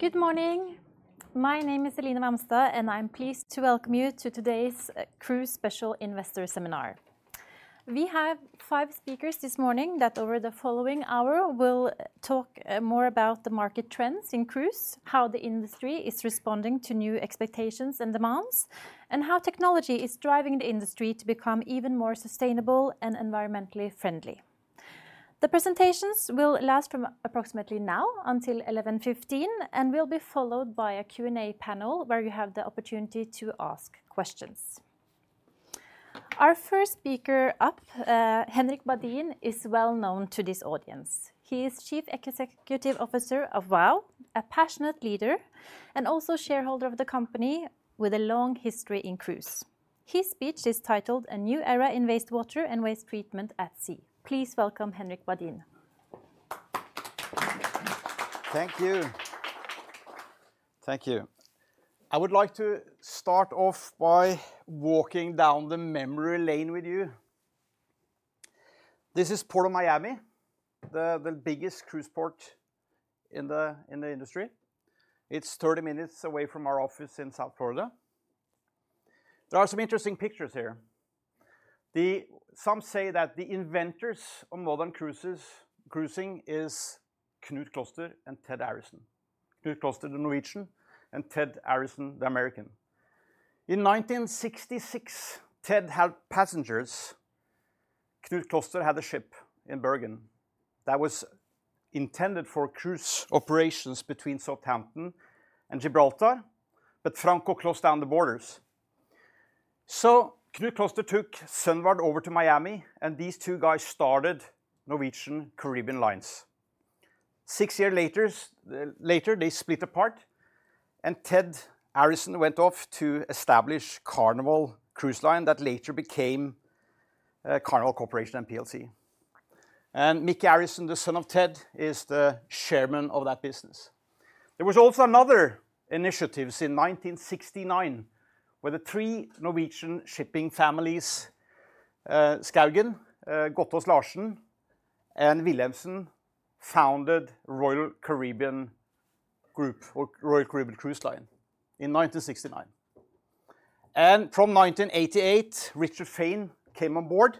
Good morning. My name is Eline Hvamstad, and I'm pleased to welcome you to today's Cruise Special Investor Seminar. We have five speakers this morning, that over the following hour will talk more about the market trends in cruise, how the industry is responding to new expectations and demands, and how technology is driving the industry to become even more sustainable and environmentally friendly. The presentations will last from approximately now until 11:15 A.M., and will be followed by a Q&A panel where you have the opportunity to ask questions. Our first speaker up, Henrik Badin, is well known to this audience. He is Chief Executive Officer of Vow, a passionate leader, and also shareholder of the company with a long history in cruise. His speech is titled: A New Era in Wastewater and Waste Treatment at Sea. Please welcome Henrik Badin. Thank you. I would like to start off by walking down the memory lane with you. This is Port of Miami, the biggest cruise port in the industry. It's 30 minutes away from our office in South Florida. There are some interesting pictures here. Some say that the inventors of modern cruises, cruising, is Knut Kloster and Ted Arison. Knut Kloster, the Norwegian, and Ted Arison, the American. In 1966, Ted had passengers. Knut Kloster had a ship in Bergen that was intended for cruise operations between Southampton and Gibraltar, but Franco closed down the borders. So Knut Kloster took Sunward over to Miami, and these two guys started Norwegian Caribbean Line. Six years later, they split apart, and Ted Arison went off to establish Carnival Cruise Line, that later became Carnival Corporation and PLC. Micky Arison, the son of Ted, is the chairman of that business. There was also another initiatives in 1969, where the three Norwegian shipping families, Skaugen, Gotaas-Larsen, and Wilhelmsen, founded Royal Caribbean Group, or Royal Caribbean Cruise Line, in 1969. And from 1988, Richard Fain came on board,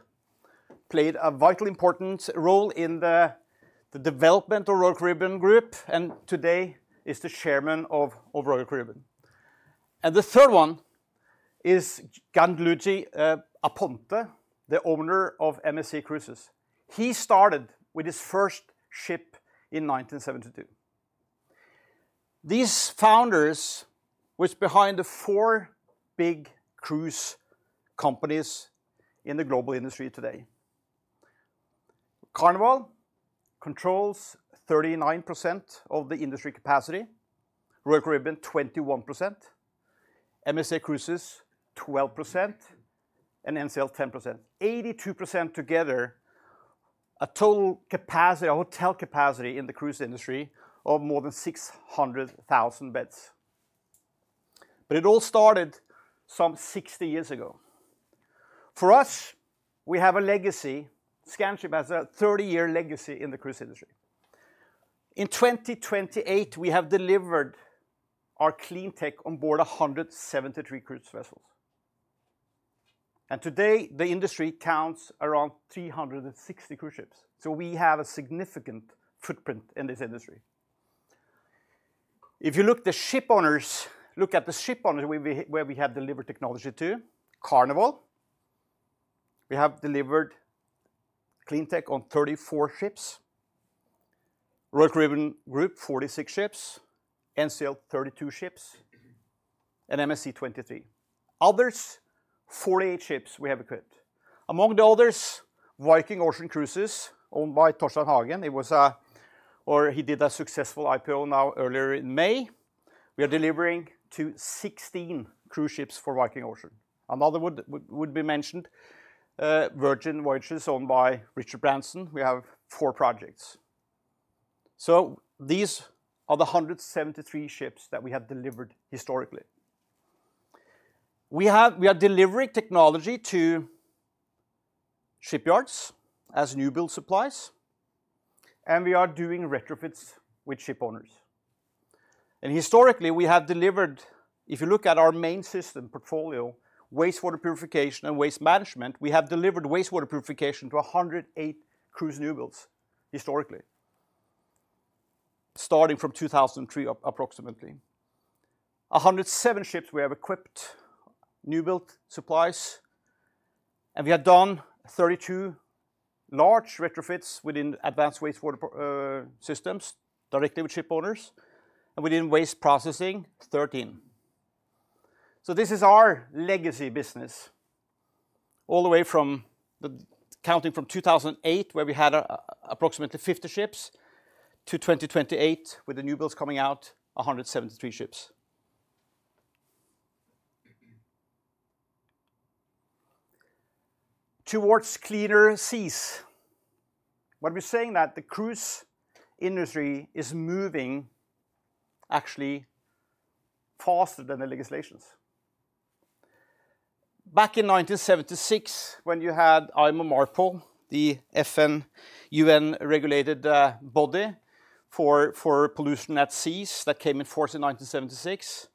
played a vital important role in the development of Royal Caribbean Group, and today is the chairman of Royal Caribbean. And the third one is Gianluigi Aponte, the owner of MSC Cruises. He started with his first ship in 1972. These founders were behind the four big cruise companies in the global industry today. Carnival controls 39% of the industry capacity, Royal Caribbean, 21%, MSC Cruises, 12%, and Norwegian Cruise Line, 10%. 82% together, a total capacity, a hotel capacity in the cruise industry of more than 600,000 beds. But it all started some 60 years ago. For us, we have a legacy. Scanship has a 30-year legacy in the cruise industry. In 2023, we have delivered our Cleantech on board 173 cruise vessels, and today the industry counts around 360 cruise ships, so we have a significant footprint in this industry. If you look at the ship owners where we have delivered technology to, Carnival, we have delivered Cleantech on 34 ships; Royal Caribbean Group, 46 ships; NCL, 32 ships; and MSC, 23. Others, 48 ships we have equipped. Among the others, Viking Ocean Cruises, owned by Torstein Hagen. It was a or he did a successful IPO now earlier in May. We are delivering to 16 cruise ships for Viking Ocean. Another would be mentioned, Virgin Voyages, owned by Richard Branson, we have four projects. So these are the 173 ships that we have delivered historically. We are delivering technology to shipyards as new build supplies, and we are doing retrofits with ship owners. And historically, we have delivered, if you look at our main system portfolio, wastewater purification and waste management, we have delivered wastewater purification to 108 cruise newbuilds historically, starting from 2003, approximately. 107 ships we have equipped newbuild supplies, and we have done 32 large retrofits within advanced wastewater systems directly with ship owners, and within waste processing, 13. So this is our legacy business, all the way from the counting from 2008, where we had approximately 50 ships, to 2028, with the newbuilds coming out, 173 ships. Towards cleaner seas. What we're saying that the cruise industry is moving actually faster than the legislations in 1976, when you had IMO MARPOL, the UN-regulated body for pollution at seas that came in force in 1976,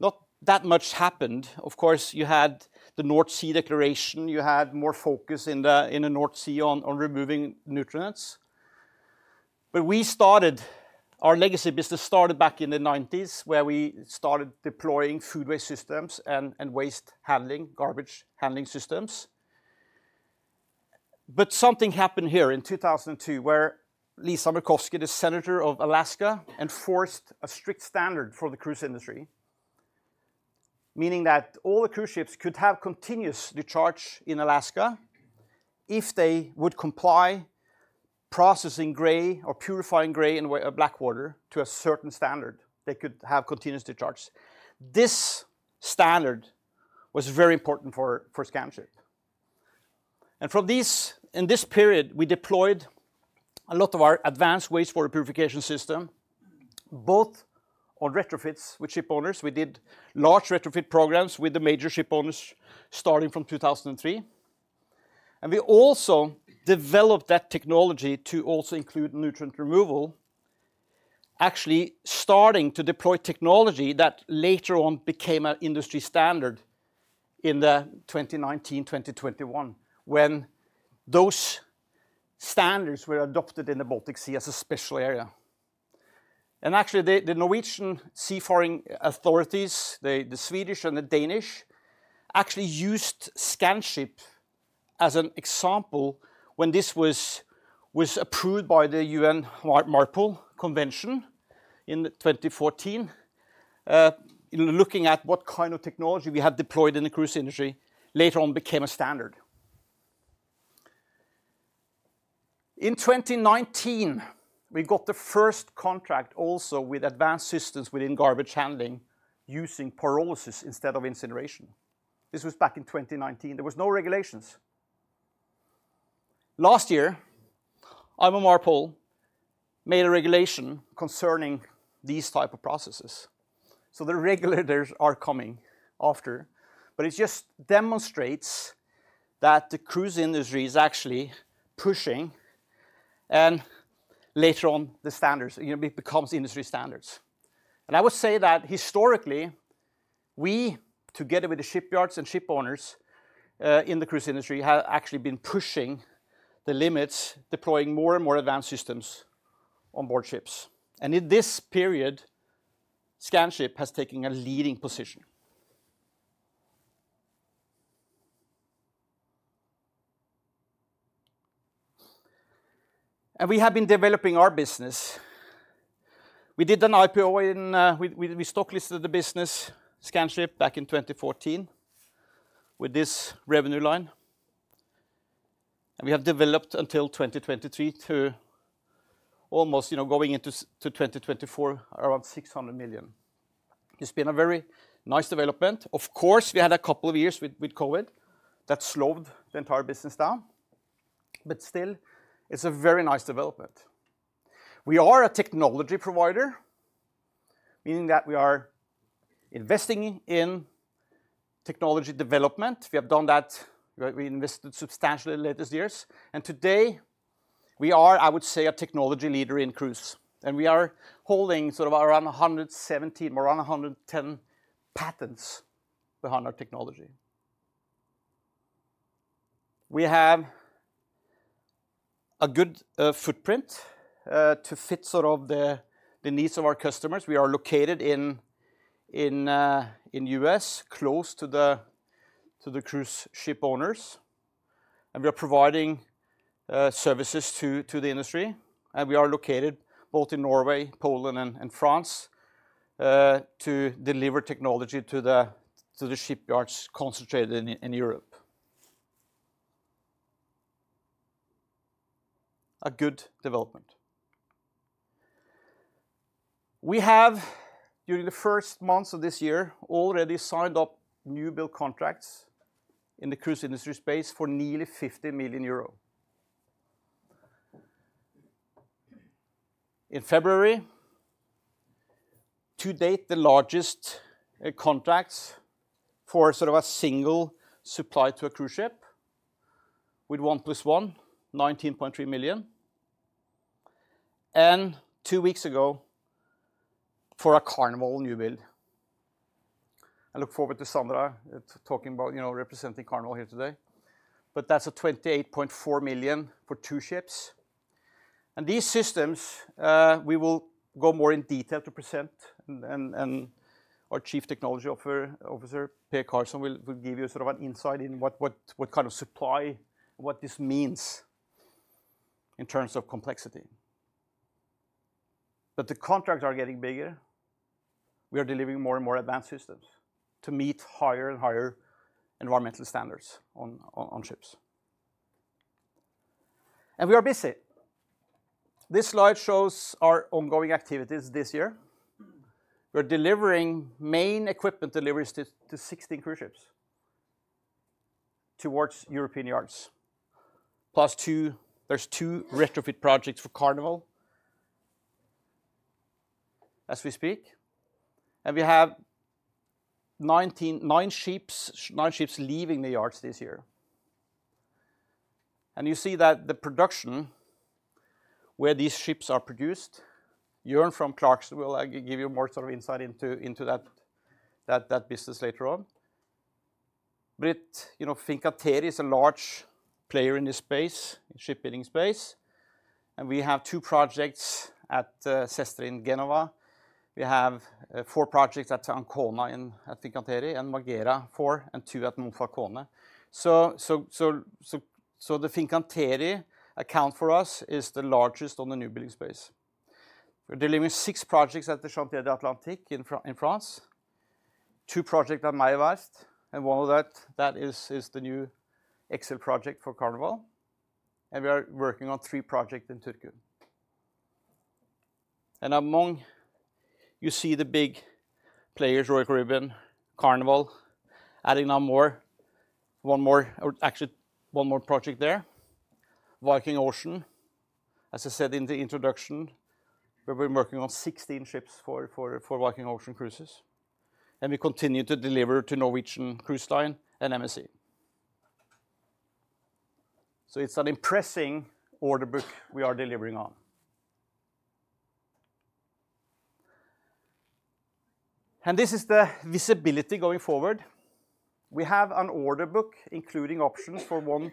not that much happened. Of course, you had the North Sea Declaration, you had more focus in the North Sea on removing nutrients. But we started, our legacy business started back in the 1990s, where we started deploying food waste systems and waste handling, garbage handling systems. But something happened here in 2002, where Lisa Murkowski, the Senator of Alaska, enforced a strict standard for the cruise industry, meaning that all the cruise ships could have continuous discharge in Alaska if they would comply, processing gray or purifying gray and black water to a certain standard. They could have continuous discharge. This standard was very important for Scanship. And from this, in this period, we deployed a lot of our advanced wastewater purification system, both on retrofits with shipowners. We did large retrofit programs with the major shipowners, starting from 2003. And we also developed that technology to also include nutrient removal, actually starting to deploy technology that later on became an industry standard in 2019, 2021, when those standards were adopted in the Baltic Sea as a special area. And actually, the Norwegian seafaring authorities, the Swedish and the Danish, actually used Scanship as an example when this was approved by the IMO MARPOL convention in 2014, in looking at what kind of technology we had deployed in the cruise industry, later on became a standard. In 2019, we got the first contract also with advanced systems within garbage handling, using pyrolysis instead of incineration. This was back in 2019. There was no regulations. Last year, IMO MARPOL made a regulation concerning these type of processes, so the regulators are coming after. But it just demonstrates that the cruise industry is actually pushing, and later on, the standards, you know, it becomes industry standards. I would say that historically, we, together with the shipyards and shipowners, in the cruise industry, have actually been pushing the limits, deploying more and more advanced systems on board ships. In this period, Scanship has taken a leading position. We have been developing our business. We did an IPO in 2014. We stock listed the business, Scanship, back in 2014, with this revenue line. We have developed until 2023 to almost, you know, going into 2024, around 600 million. It's been a very nice development. Of course, we had a couple of years with COVID that slowed the entire business down, but still, it's a very nice development. We are a technology provider, meaning that we are investing in technology development. We have done that, we invested substantially in latest years, and today, we are, I would say, a technology leader in cruise. We are holding sort of around 117, around 110 patents behind our technology. We have a good footprint to fit sort of the needs of our customers. We are located in U.S. close to the cruise ship owners, and we are providing services to the industry, and we are located both in Norway, Poland, and France to deliver technology to the shipyards concentrated in Europe. A good development. We have, during the first months of this year, already signed up new build contracts in the cruise industry space for nearly 50 million euro. In February, to date, the largest contracts for sort of a single supply to a cruise ship with 1+1, 19.3 million. And two weeks ago, for a Carnival new build. I look forward to Sandra talking about, you know, representing Carnival here today, but that's a 28.4 million for two ships. And these systems, we will go more in detail to present, and our Chief Technology Officer, Per Carlsson, will give you sort of an insight in what kind of supply, what this means in terms of complexity. But the contracts are getting bigger. We are delivering more and more advanced systems to meet higher and higher environmental standards on ships. And we are busy. This slide shows our ongoing activities this year. We're delivering main equipment deliveries to 16 cruise ships towards European yards, plus two, there's two retrofit projects for Carnival as we speak, and we have 99 ships leaving the yards this year. And you see that the production where these ships are produced, Jørn from Clarksons will give you more sort of insight into that business later on. But you know, Fincantieri is a large player in this space, in shipbuilding space, and we have two projects at Sestri in Genova. We have four projects at Ancona, at Fincantieri, and Marghera, four, and two at Monfalcone. So the Fincantieri account for us is the largest on the new building space. We're delivering six projects at the Chantiers de l'Atlantique in France, two projects at Meyer Werft, and one of that is the new Excel project for Carnival, and we are working on three projects in Turku. And among you see the big players, Royal Caribbean, Carnival, adding now more, one more, or actually one more project there. Viking Ocean, as I said in the introduction, we've been working on 16 ships for Viking Ocean Cruises, and we continue to deliver to Norwegian Cruise Line and MSC. So it's an impressive order book we are delivering on. And this is the visibility going forward. We have an order book, including options for 1.2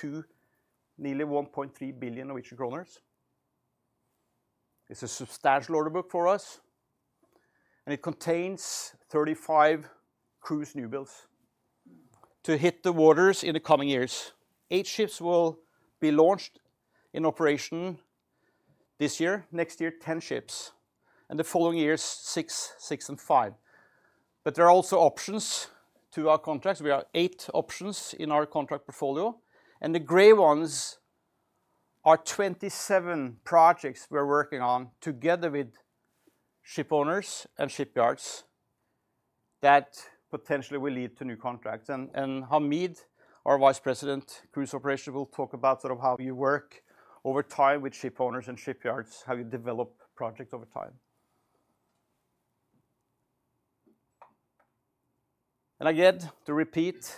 billion, nearly 1.3 billion Norwegian kroner. It's a substantial order book for us, and it contains 35 cruise new builds to hit the waters in the coming years. Eight ships will be launched in operation this year. Next year, 10 ships, and the following years, six, six, and five. But there are also options to our contracts. We have eight options in our contract portfolio, and the gray ones are 27 projects we're working on together with shipowners and shipyards that potentially will lead to new contracts. And, and Hamid, our vice president, cruise operation, will talk about sort of how you work over time with shipowners and shipyards, how you develop projects over time. And I get to repeat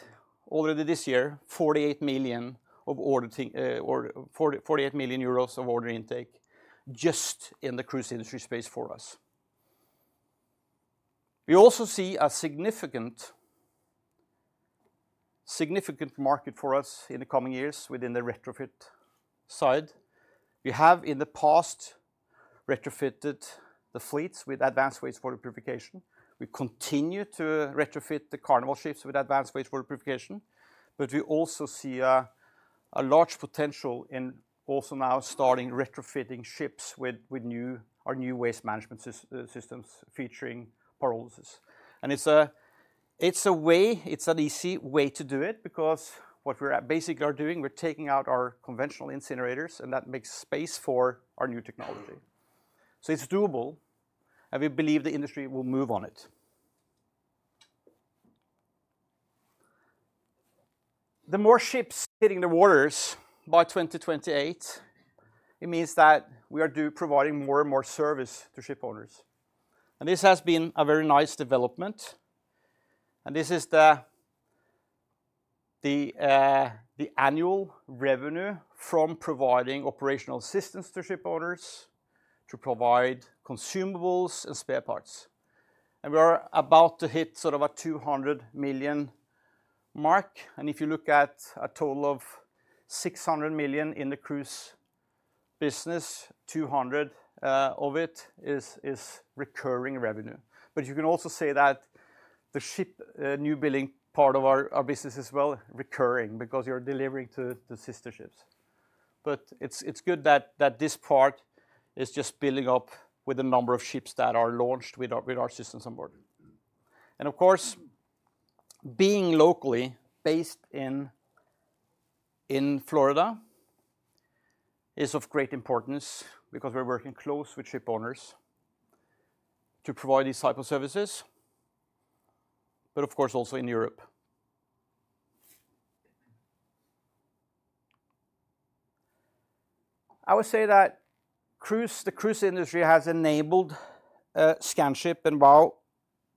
already this year, 48 million of order intake just in the cruise industry space for us. We also see a significant, significant market for us in the coming years within the retrofit side. We have, in the past, retrofitted the fleets with advanced wastewater purification. We continue to retrofit the Carnival ships with advanced wastewater purification, but we also see a large potential in also now starting retrofitting ships with our new waste management systems featuring pyrolysis. It's a way, it's an easy way to do it because what we're basically are doing, we're taking out our conventional incinerators, and that makes space for our new technology. So it's doable, and we believe the industry will move on it. The more ships hitting the waters by 2028, it means that we are providing more and more service to shipowners. And this has been a very nice development, and this is the annual revenue from providing operational assistance to shipowners to provide consumables and spare parts. We are about to hit sort of a 200 million mark, and if you look at a total of 600 million in the cruise business, 200 million of it is recurring revenue. But you can also say that the ship new building part of our business is well recurring because you're delivering to sister ships. But it's good that this part is just building up with the number of ships that are launched with our systems on board. And of course, being locally based in Florida is of great importance because we're working close with shipowners to provide these type of services, but of course, also in Europe. I would say that cruise, the cruise industry has enabled Scanship and Vow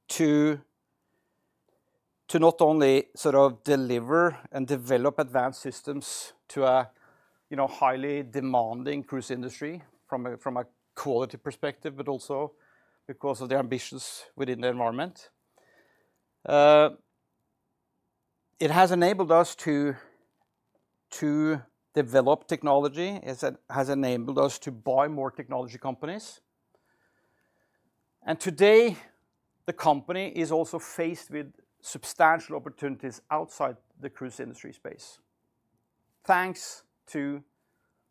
to not only sort of deliver and develop advanced systems to a, you know, highly demanding cruise industry from a, from a quality perspective, but also because of the ambitions within the environment. It has enabled us to develop technology. It has enabled us to buy more technology companies, and today, the company is also faced with substantial opportunities outside the cruise industry space, thanks to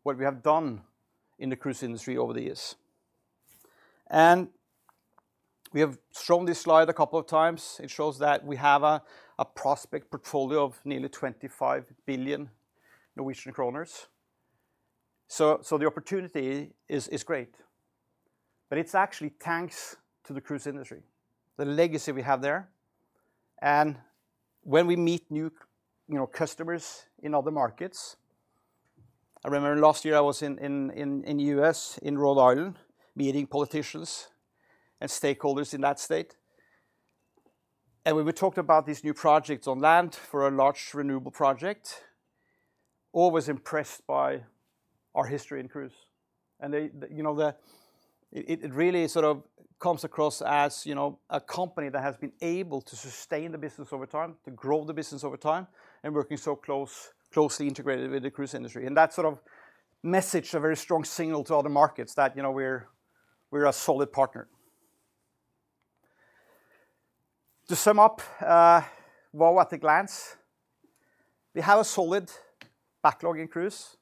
what we have done in the cruise industry over the years. We have shown this slide a couple of times. It shows that we have a prospect portfolio of nearly 25 billion Norwegian kroner. So the opportunity is great, but it's actually thanks to the cruise industry, the legacy we have there. And when we meet new, you know, customers in other markets. I remember last year I was in the U.S., in Rhode Island, meeting politicians and stakeholders in that state. And when we talked about these new projects on land for a large renewable project, all was impressed by our history in cruise. And they, you know, it really sort of comes across as, you know, a company that has been able to sustain the business over time, to grow the business over time, and working so closely integrated with the cruise industry. And that sort of message, a very strong signal to other markets that, you know, we're a solid partner. To sum up, at a glance, we have a solid backlog in cruise.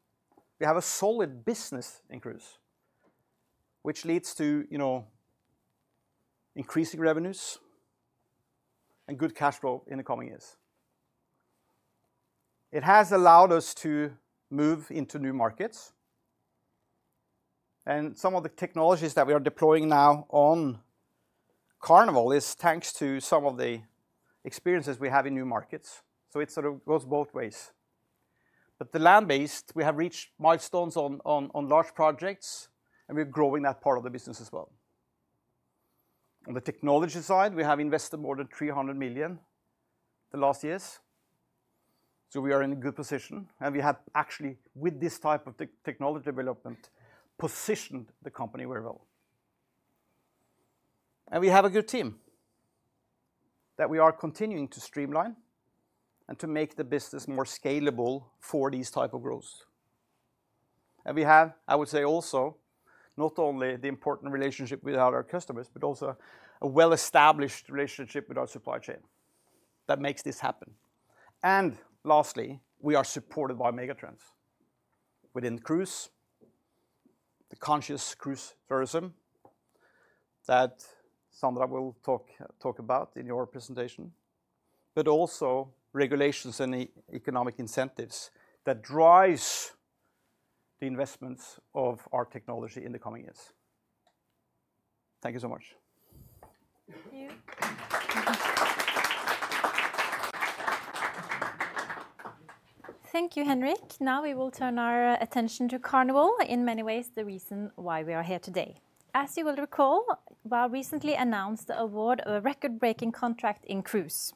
We have a solid business in cruise, which leads to, you know, increasing revenues and good cash flow in the coming years. It has allowed us to move into new markets, and some of the technologies that we are deploying now on Carnival is thanks to some of the experiences we have in new markets, so it sort of goes both ways. But the land-based, we have reached milestones on large projects, and we're growing that part of the business as well. On the technology side, we have invested more than 300 million the last years, so we are in a good position, and we have actually, with this type of technology development, positioned the company very well. And we have a good team that we are continuing to streamline and to make the business more scalable for these type of growth. We have, I would say also, not only the important relationship with our customers, but also a well-established relationship with our supply chain that makes this happen. Lastly, we are supported by megatrends within cruise, the conscious cruise tourism that Sandra will talk about in your presentation, but also regulations and economic incentives that drives the investments of our technology in the coming years. Thank you so much. Thank you, Henrik. Now we will turn our attention to Carnival, in many ways, the reason why we are here today. As you will recall, VOW recently announced the award of a record-breaking contract in cruise,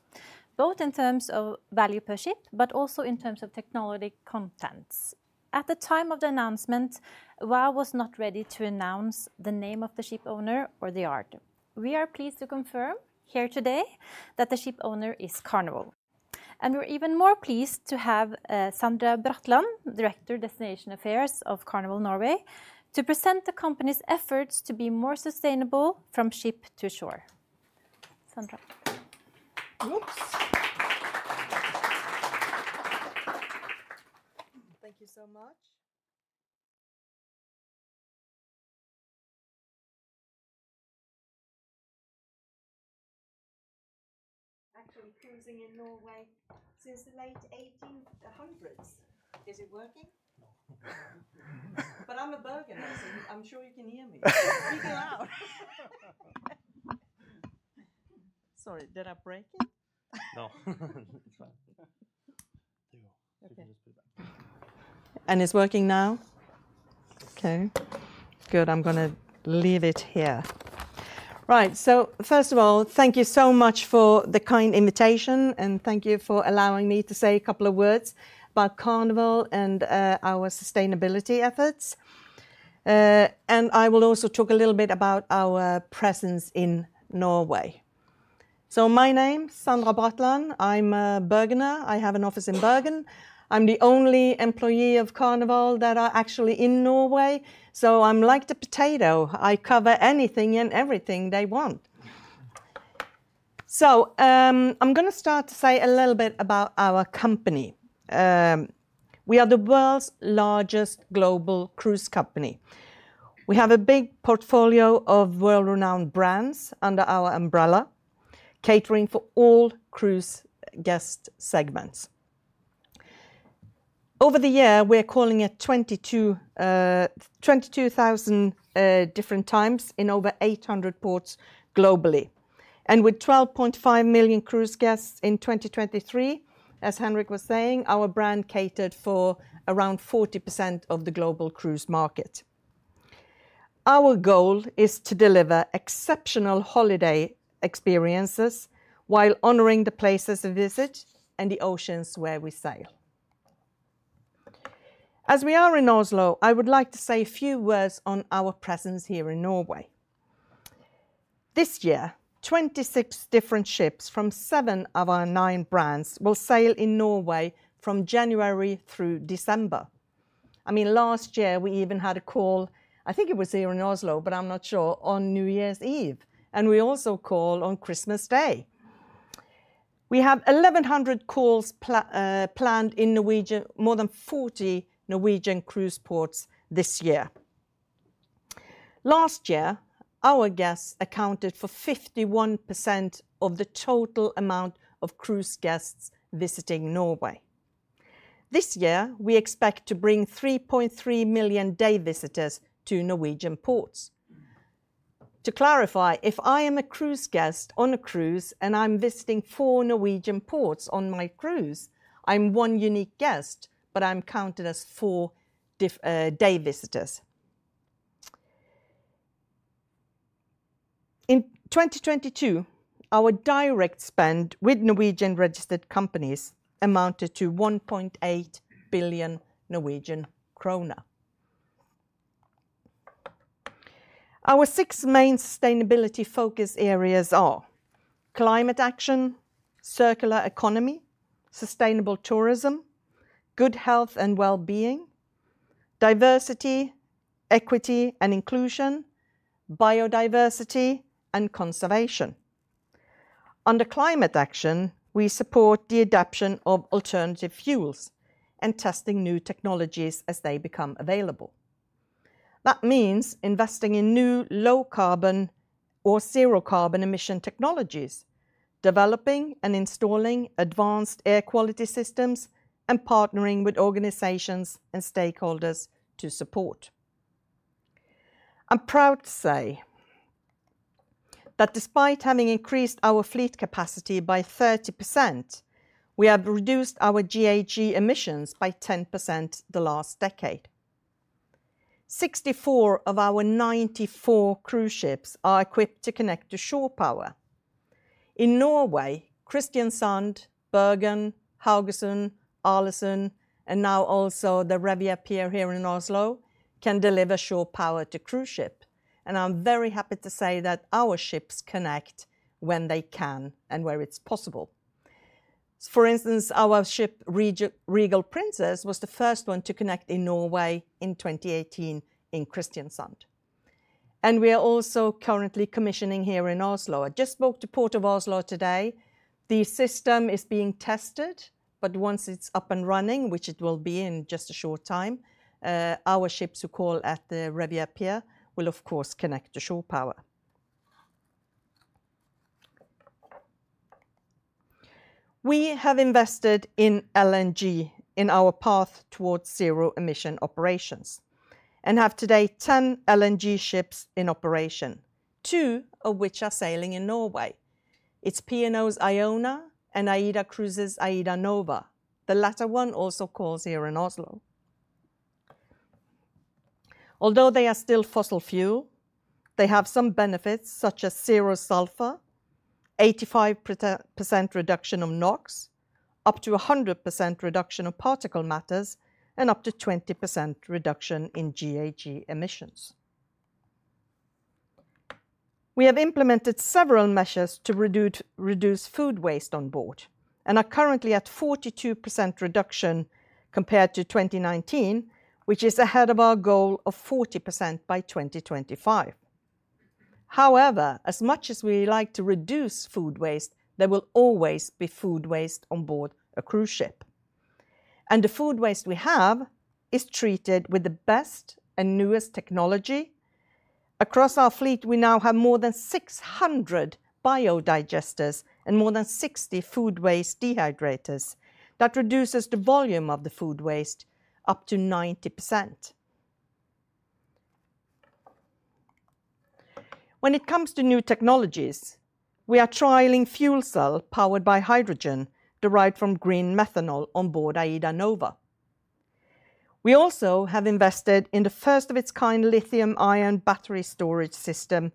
both in terms of value per ship, but also in terms of technology contents. At the time of the announcement, VOW was not ready to announce the name of the ship owner or the order. We are pleased to confirm here today that the ship owner is Carnival, and we're even more pleased to have, Sandra Bratland, Director, Destination Affairs of Carnival Norway, to present the company's efforts to be more sustainable from ship to shore. Sandra. Yeps! Thank you so much. Actually, cruising in Norway since the late 1800s. Is it working? But I'm a Bergener, so I'm sure you can hear me. People out. Sorry, did I break it? No. It's fine. There you go. Okay. You can just put it back. And it's working now? Okay, good. I'm gonna leave it here. Right, so first of all, thank you so much for the kind invitation, and thank you for allowing me to say a couple of words about Carnival and our sustainability efforts. I will also talk a little bit about our presence in Norway. So my name, Sandra Bratland. I'm a Bergener. I have an office in Bergen. I'm the only employee of Carnival that are actually in Norway, so I'm like the potato. I cover anything and everything they want. So, I'm gonna start to say a little bit about our company. We are the world's largest global cruise company. We have a big portfolio of world-renowned brands under our umbrella, catering for all cruise guest segments. Over the year, we're calling at 22,000 different times in over 800 ports globally. With 12.5 million cruise guests in 2023, as Henrik was saying, our brand catered for around 40% of the global cruise market. Our goal is to deliver exceptional holiday experiences while honoring the places of visit and the oceans where we sail. As we are in Oslo, I would like to say a few words on our presence here in Norway. This year, 26 different ships from seven of our nine brands will sail in Norway from January through December. I mean, last year we even had a call, I think it was here in Oslo, but I'm not sure, on New Year's Eve, and we also call on Christmas Day. We have 1,100 calls planned in Norwegian, more than 40 Norwegian cruise ports this year. Last year, our guests accounted for 51% of the total amount of cruise guests visiting Norway. This year, we expect to bring 3.3 million day visitors to Norwegian ports. To clarify, if I am a cruise guest on a cruise, and I'm visiting four Norwegian ports on my cruise, I'm one unique guest, but I'm counted as four different day visitors. In 2022, our direct spend with Norwegian-registered companies amounted to NOK 1.8 billion. Our six main sustainability focus areas are climate action, circular economy, sustainable tourism, good health and wellbeing, diversity, equity, and inclusion, biodiversity, and conservation. Under climate action, we support the adaptation of alternative fuels and testing new technologies as they become available. That means investing in new low-carbon or zero-carbon emission technologies, developing and installing advanced air quality systems, and partnering with organizations and stakeholders to support. I'm proud to say that despite having increased our fleet capacity by 30%, we have reduced our GHG emissions by 10% the last decade. Sixty-four of our ninety-four cruise ships are equipped to connect to shore power. In Norway, Kristiansand, Bergen, Haugesund, Ålesund, and now also the Revier Pier here in Oslo, can deliver shore power to cruise ship, and I'm very happy to say that our ships connect when they can and where it's possible. For instance, our ship, Regal Princess, was the first one to connect in Norway in 2018 in Kristiansand, and we are also currently commissioning here in Oslo. I just spoke to Port of Oslo today. The system is being tested, but once it's up and running, which it will be in just a short time, our ships who call at the Revier Pier will, of course, connect to shore power. We have invested in LNG in our path towards zero-emission operations and have today 10 LNG ships in operation, two of which are sailing in Norway. It's P&O's Iona and AIDA Cruises' AIDAnova. The latter one also calls here in Oslo. Although they are still fossil fuel, they have some benefits, such as zero sulfur, 85% reduction of NOx, up to 100% reduction of particulate matter, and up to 20% reduction in GHG emissions. We have implemented several measures to reduce food waste on board and are currently at 42% reduction compared to 2019, which is ahead of our goal of 40% by 2025. However, as much as we like to reduce food waste, there will always be food waste on board a cruise ship, and the food waste we have is treated with the best and newest technology. Across our fleet, we now have more than 600 biodigesters and more than 60 food waste dehydrators. That reduces the volume of the food waste up to 90%. When it comes to new technologies, we are trialing fuel cell powered by hydrogen, derived from green methanol on board AIDAnova. We also have invested in the first of its kind lithium-ion battery storage system,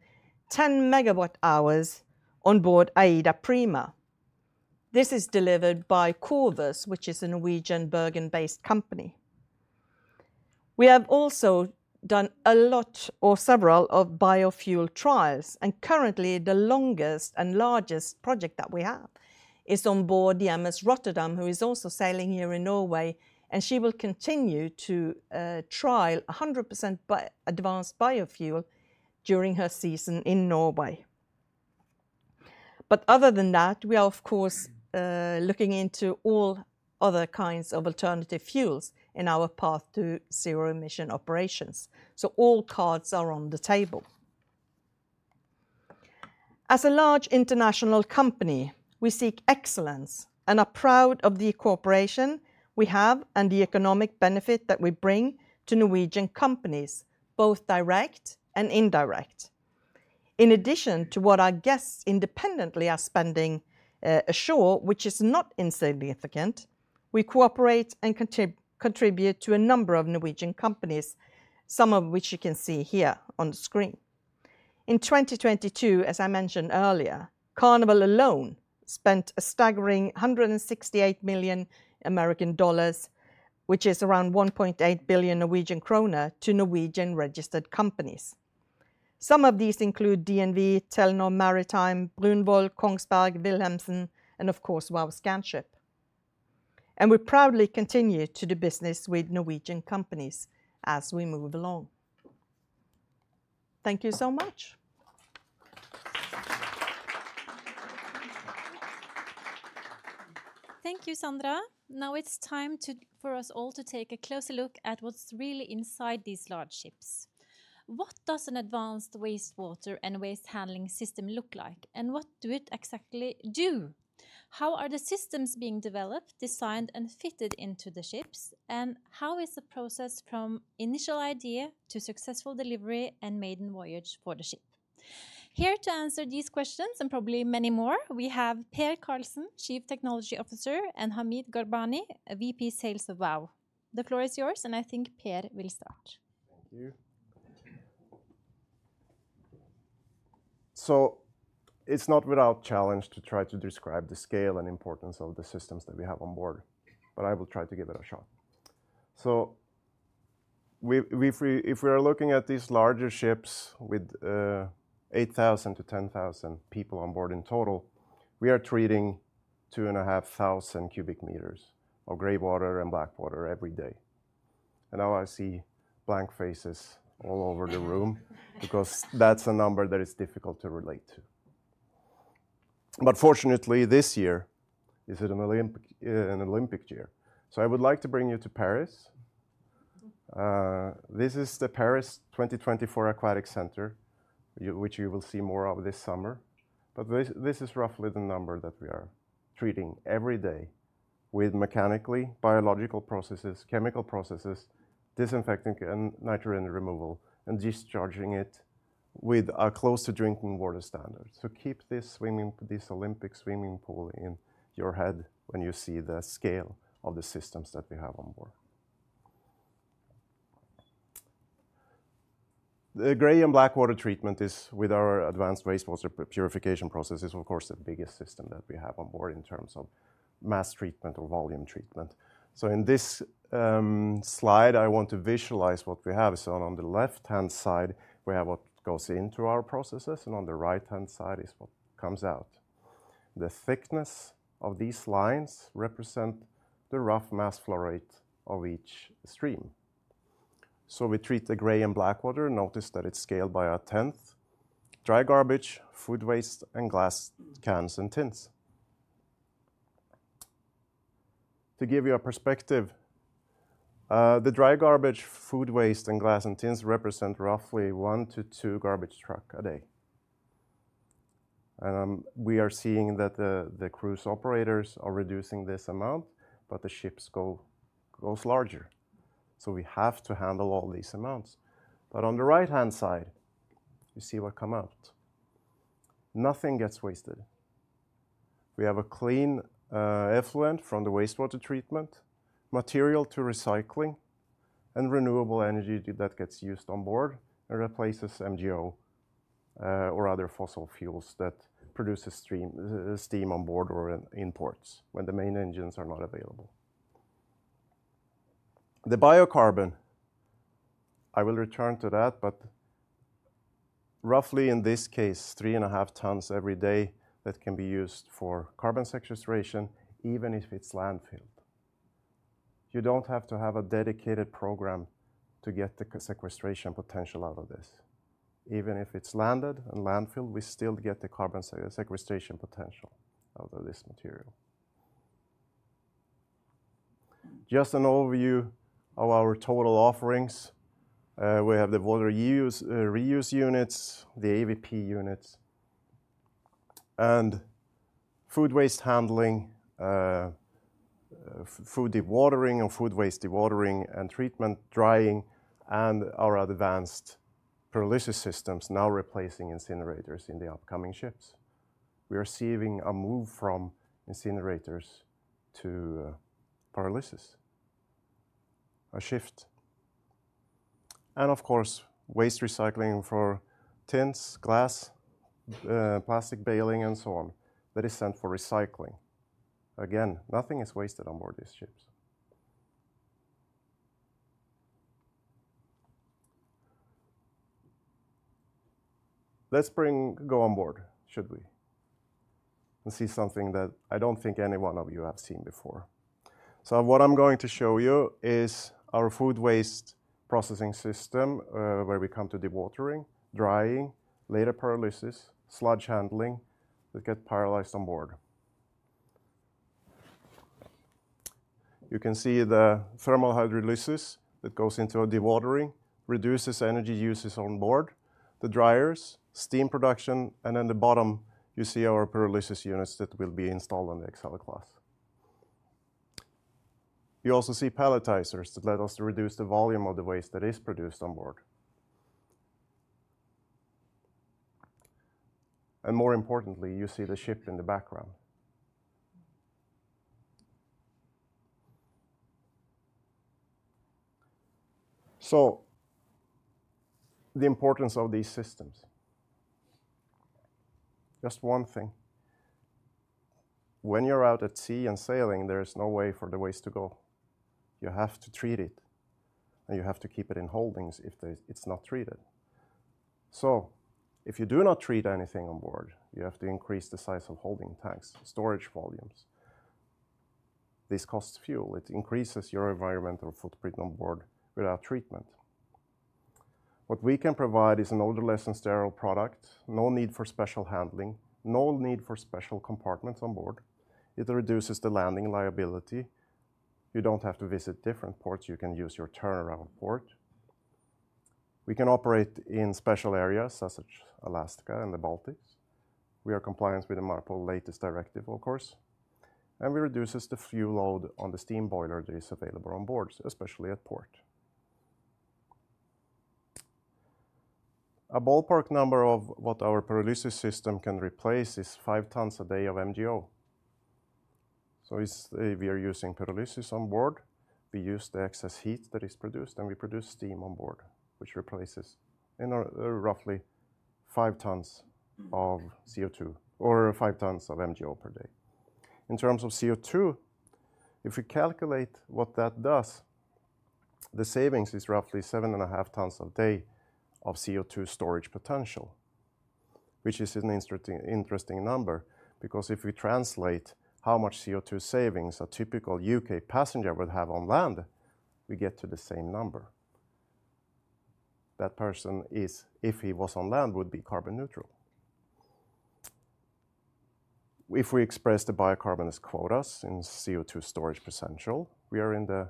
10 MWh on board AIDAprima. This is delivered by Corvus, which is a Norwegian Bergen-based company. We have also done a lot or several of biofuel trials, and currently, the longest and largest project that we have is on board the MS Rotterdam, who is also sailing here in Norway, and she will continue to trial 100% advanced biofuel during her season in Norway. But other than that, we are, of course, looking into all other kinds of alternative fuels in our path to zero-emission operations, so all cards are on the table. As a large international company, we seek excellence and are proud of the cooperation we have and the economic benefit that we bring to Norwegian companies, both direct and indirect. In addition to what our guests independently are spending ashore, which is not insignificant, we cooperate and contribute to a number of Norwegian companies, some of which you can see here on the screen. In 2022, as I mentioned earlier, Carnival alone spent a staggering $168 million, which is around 1.8 billion Norwegian krone, to Norwegian-registered companies. Some of these include DNV, Telenor Maritime, Brunvoll, Kongsberg, Wilhelmsen, and of course, well, Scanship, and we proudly continue to do business with Norwegian companies as we move along. Thank you so much. Thank you, Sandra. Now it's time for us all to take a closer look at what's really inside these large ships. What does an advanced wastewater and waste handling system look like, and what do it exactly do? How are the systems being developed, designed, and fitted into the ships, and how is the process from initial idea to successful delivery and maiden voyage for the ship? Here to answer these questions, and probably many more, we have Per Carlsson, Chief Technology Officer, and Hamid Ghorbani, a VP Sales of Vow. The floor is yours, and I think Per will start. Thank you. So it's not without challenge to try to describe the scale and importance of the systems that we have on board, but I will try to give it a shot. So if we are looking at these larger ships with 8,000-10,000 people on board in total, we are treating 2,500 cu m of gray water and black water every day. And now I see blank faces all over the room, because that's a number that is difficult to relate to. But fortunately, this year is an Olympic year. So I would like to bring you to Paris. This is the Paris 2024 Aquatic Center, which you will see more of this summer. But this, this is roughly the number that we are treating every day with mechanical, biological processes, chemical processes, disinfecting and nitrogen removal, and discharging it with a close to drinking water standard. So keep this swimming, this Olympic swimming pool, in your head when you see the scale of the systems that we have on board. The gray and black water treatment is with our advanced wastewater purification process, is, of course, the biggest system that we have on board in terms of mass treatment or volume treatment. So in this, slide, I want to visualize what we have. So on the left-hand side, we have what goes into our processes, and on the right-hand side is what comes out. The thickness of these lines represent the rough mass flow rate of each stream. So we treat the gray and black water, notice that it's scaled by 1/10, dry garbage, food waste, and glass, cans, and tins. To give you a perspective, the dry garbage, food waste, and glass and tins represent roughly 1-2 garbage truck a day. We are seeing that the cruise operators are reducing this amount, but the ships go, grows larger, so we have to handle all these amounts. But on the right-hand side, you see what come out. Nothing gets wasted. We have a clean effluent from the wastewater treatment, material to recycling, and renewable energy that gets used on board and replaces MGO or other fossil fuels that produce a stream, steam on board or in ports when the main engines are not available. The biocarbon, I will return to that, but roughly in this case, 3.5 tons every day, that can be used for carbon sequestration, even if it's landfilled. You don't have to have a dedicated program to get the sequestration potential out of this. Even if it's landed in landfill, we still get the carbon sequestration potential out of this material. Just an overview of our total offerings. We have the water use, reuse units, the AWP units, and food waste handling, food dewatering and food waste dewatering and treatment, drying, and our advanced pyrolysis systems, now replacing incinerators in the upcoming ships. We are seeing a move from incinerators to pyrolysis. A shift. Of course, waste recycling for tins, glass, plastic baling, and so on, that is sent for recycling. Again, nothing is wasted on board these ships. Let's go on board, should we? And see something that I don't think any one of you have seen before. So what I'm going to show you is our food waste processing system, where we come to dewatering, drying, later pyrolysis, sludge handling, that get pyrolyzed on board. You can see the thermal hydrolysis that goes into a dewatering, reduces energy uses on board, the dryers, steam production, and in the bottom, you see our pyrolysis units that will be installed on the Excel class. You also see palletizers that let us reduce the volume of the waste that is produced on board. And more importantly, you see the ship in the background. So the importance of these systems. Just one thing, when you're out at sea and sailing, there is no way for the waste to go. You have to treat it, and you have to keep it in holding tanks if they, it's not treated. So if you do not treat anything on board, you have to increase the size of holding tanks, storage volumes. This costs fuel. It increases your environmental footprint on board without treatment. What we can provide is an odorless and sterile product, no need for special handling, no need for special compartments on board. It reduces the landing liability. You don't have to visit different ports you can use your turnaround port. We can operate in special areas such as Alaska and the Baltics. We are compliant with the MARPOL latest directive, of course, and we reduces the fuel load on the steam boiler that is available on boards, especially at port. A ballpark number of what our pyrolysis system can replace is five tons a day of MGO. So it's, if we are using pyrolysis on board, we use the excess heat that is produced, and we produce steam on board, which replaces in, roughly five tons of CO2 or five tons of MGO per day. In terms of CO2, if we calculate what that does, the savings is roughly 7.5 tons a day of CO2 storage potential, which is an interesting, interesting number, because if we translate how much CO2 savings a typical UK passenger will have on land, we get to the same number. That person is, if he was on land, would be carbon neutral. If we express the biocarbon as quotas in CO2 storage potential, we are in the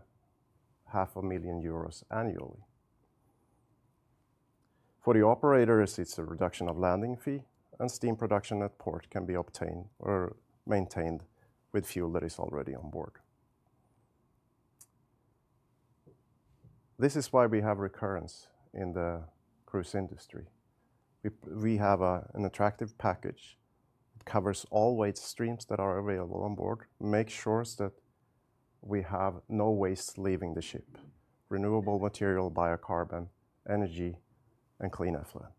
500,000 euros annually. For the operators, it's a reduction of landing fee, and steam production at port can be obtained or maintained with fuel that is already on board. This is why we have recurrence in the cruise industry. We have an attractive package. It covers all waste streams that are available on board, makes sure that we have no waste leaving the ship, renewable material, biocarbon, energy, and clean effluent.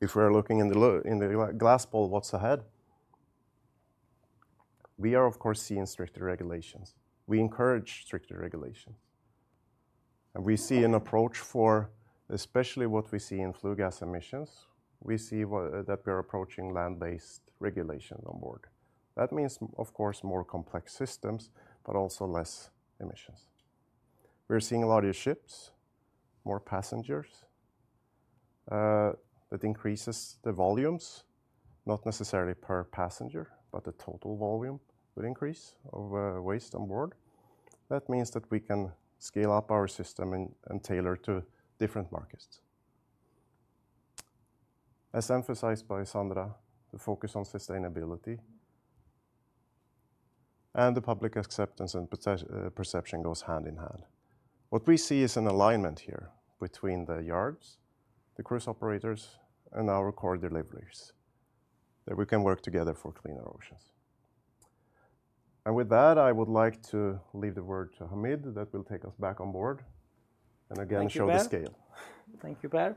If we are looking in the ball, what's ahead? We are, of course, seeing stricter regulations. We encourage stricter regulations, and we see an approach for especially what we see in flue gas emissions. We see that we're approaching land-based regulation on board. That means, of course, more complex systems, but also less emissions. We're seeing a lot of ships, more passengers, that increases the volumes, not necessarily per passenger, but the total volume will increase over waste on board. That means that we can scale up our system and tailor to different markets. As emphasized by Sandra, the focus on sustainability and the public acceptance and perception goes hand in hand. What we see is an alignment here between the yards, the cruise operators, and our core deliveries, that we can work together for cleaner oceans. With that, I would like to leave the word to Hamid, that will take us back on board, and again show the scale. Thank you, Per.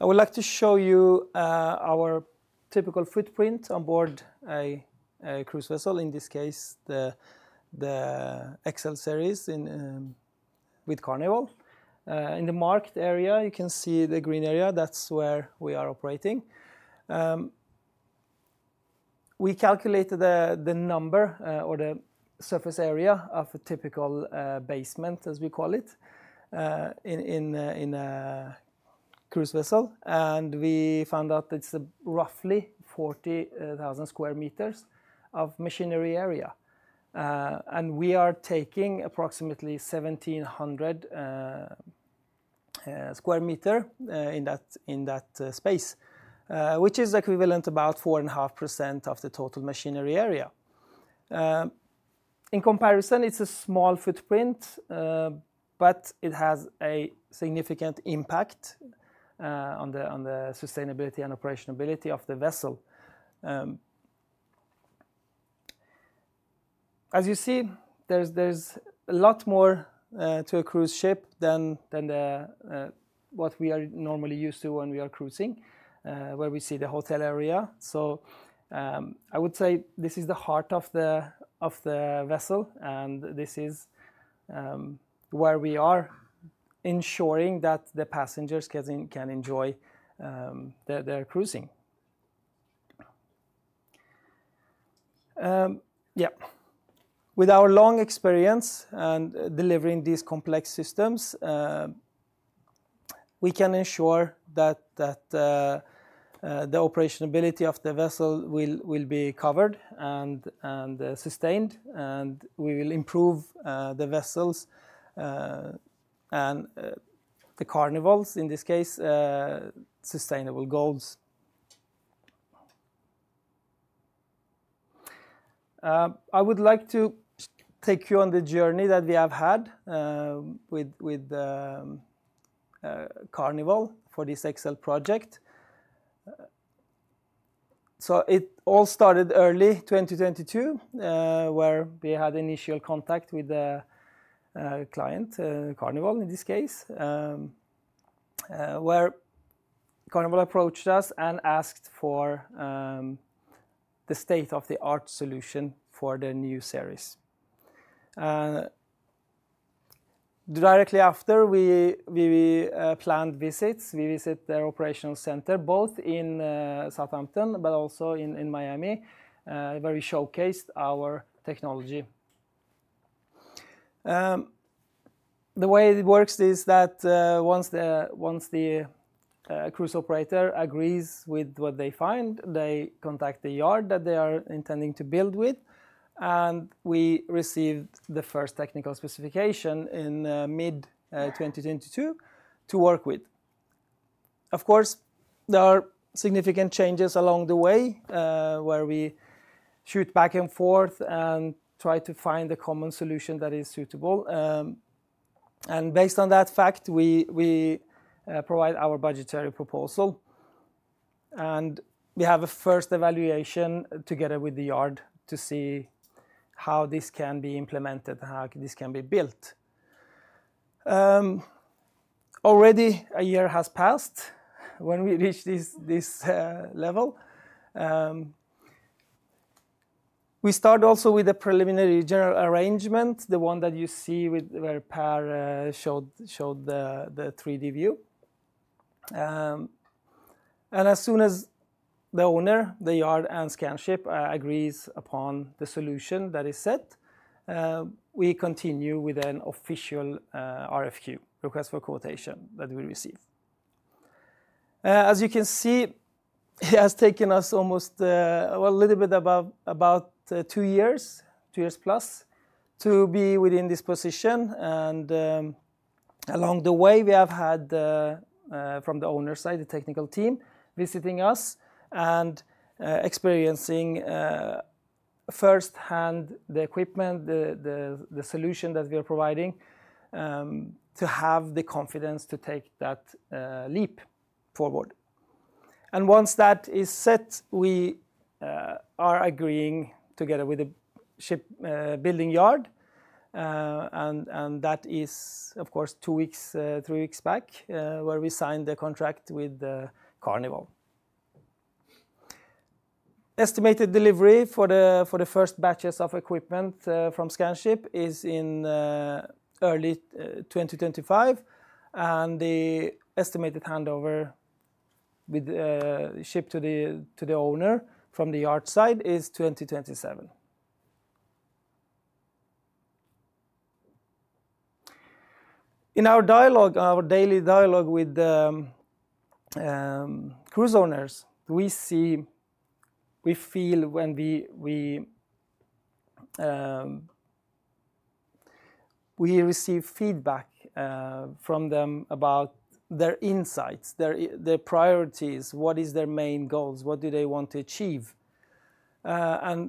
I would like to show you our typical footprint on board a cruise vessel, in this case, the Excel with Carnival. In the marked area, you can see the green area, that's where we are operating. We calculated the number or the surface area of a typical basement, as we call it, in a cruise vessel, and we found out it's roughly 40,000 square meters of machinery area. And we are taking approximately 1,700 sq m in that space, which is equivalent to about 4.5% of the total machinery area. In comparison, it's a small footprint, but it has a significant impact on the sustainability and operational ability of the vessel. As you see, there's a lot more to a cruise ship than what we are normally used to when we are cruising, where we see the hotel area. So, I would say this is the heart of the vessel, and this is where we are ensuring that the passengers can enjoy their cruising. Yeah. With our long experience and delivering these complex systems, we can ensure that the operational ability of the vessel will be covered and sustained, and we will improve the vessels and the Carnival's, in this case, sustainable goals. I would like to take you on the journey that we have had with Carnival for this Excel project. So it all started early 2022, where we had initial contact with the client, Carnival, in this case. Where Carnival approached us and asked for the state-of-the-art solution for the new series. Directly after we planned visits, we visit their operational center, both in Southampton, but also in Miami, where we showcased our technology. The way it works is that, once the cruise operator agrees with what they find, they contact the yard that they are intending to build with, and we received the first technical specification in mid 2022 to work with. Of course, there are significant changes along the way, where we shoot back and forth and try to find a common solution that is suitable. And based on that fact, we provide our budgetary proposal, and we have a first evaluation together with the yard to see how this can be implemented, how this can be built. Already a year has passed when we reached this level. We start also with a preliminary general arrangement, the one that you see with, where Per showed the 3D view. And as soon as the owner, the yard, and Scanship agrees upon the solution that is set, we continue with an official RFQ, request for quotation, that we receive. As you can see, it has taken us almost, well, a little bit about, about two years, two years plus, to be within this position, and along the way, we have had the from the owner side, the technical team visiting us and experiencing firsthand the equipment, the solution that we are providing, to have the confidence to take that leap forward. And once that is set, we are agreeing together with the shipbuilding yard, and that is, of course, two weeks, three weeks back, where we signed the contract with Carnival. Estimated delivery for the first batches of equipment from Scanship is in early 2025, and the estimated handover with the ship to the owner from the yard side is 2027. In our dialogue, our daily dialogue with the cruise owners, we feel when we receive feedback from them about their insights, their priorities, what is their main goals, what do they want to achieve? A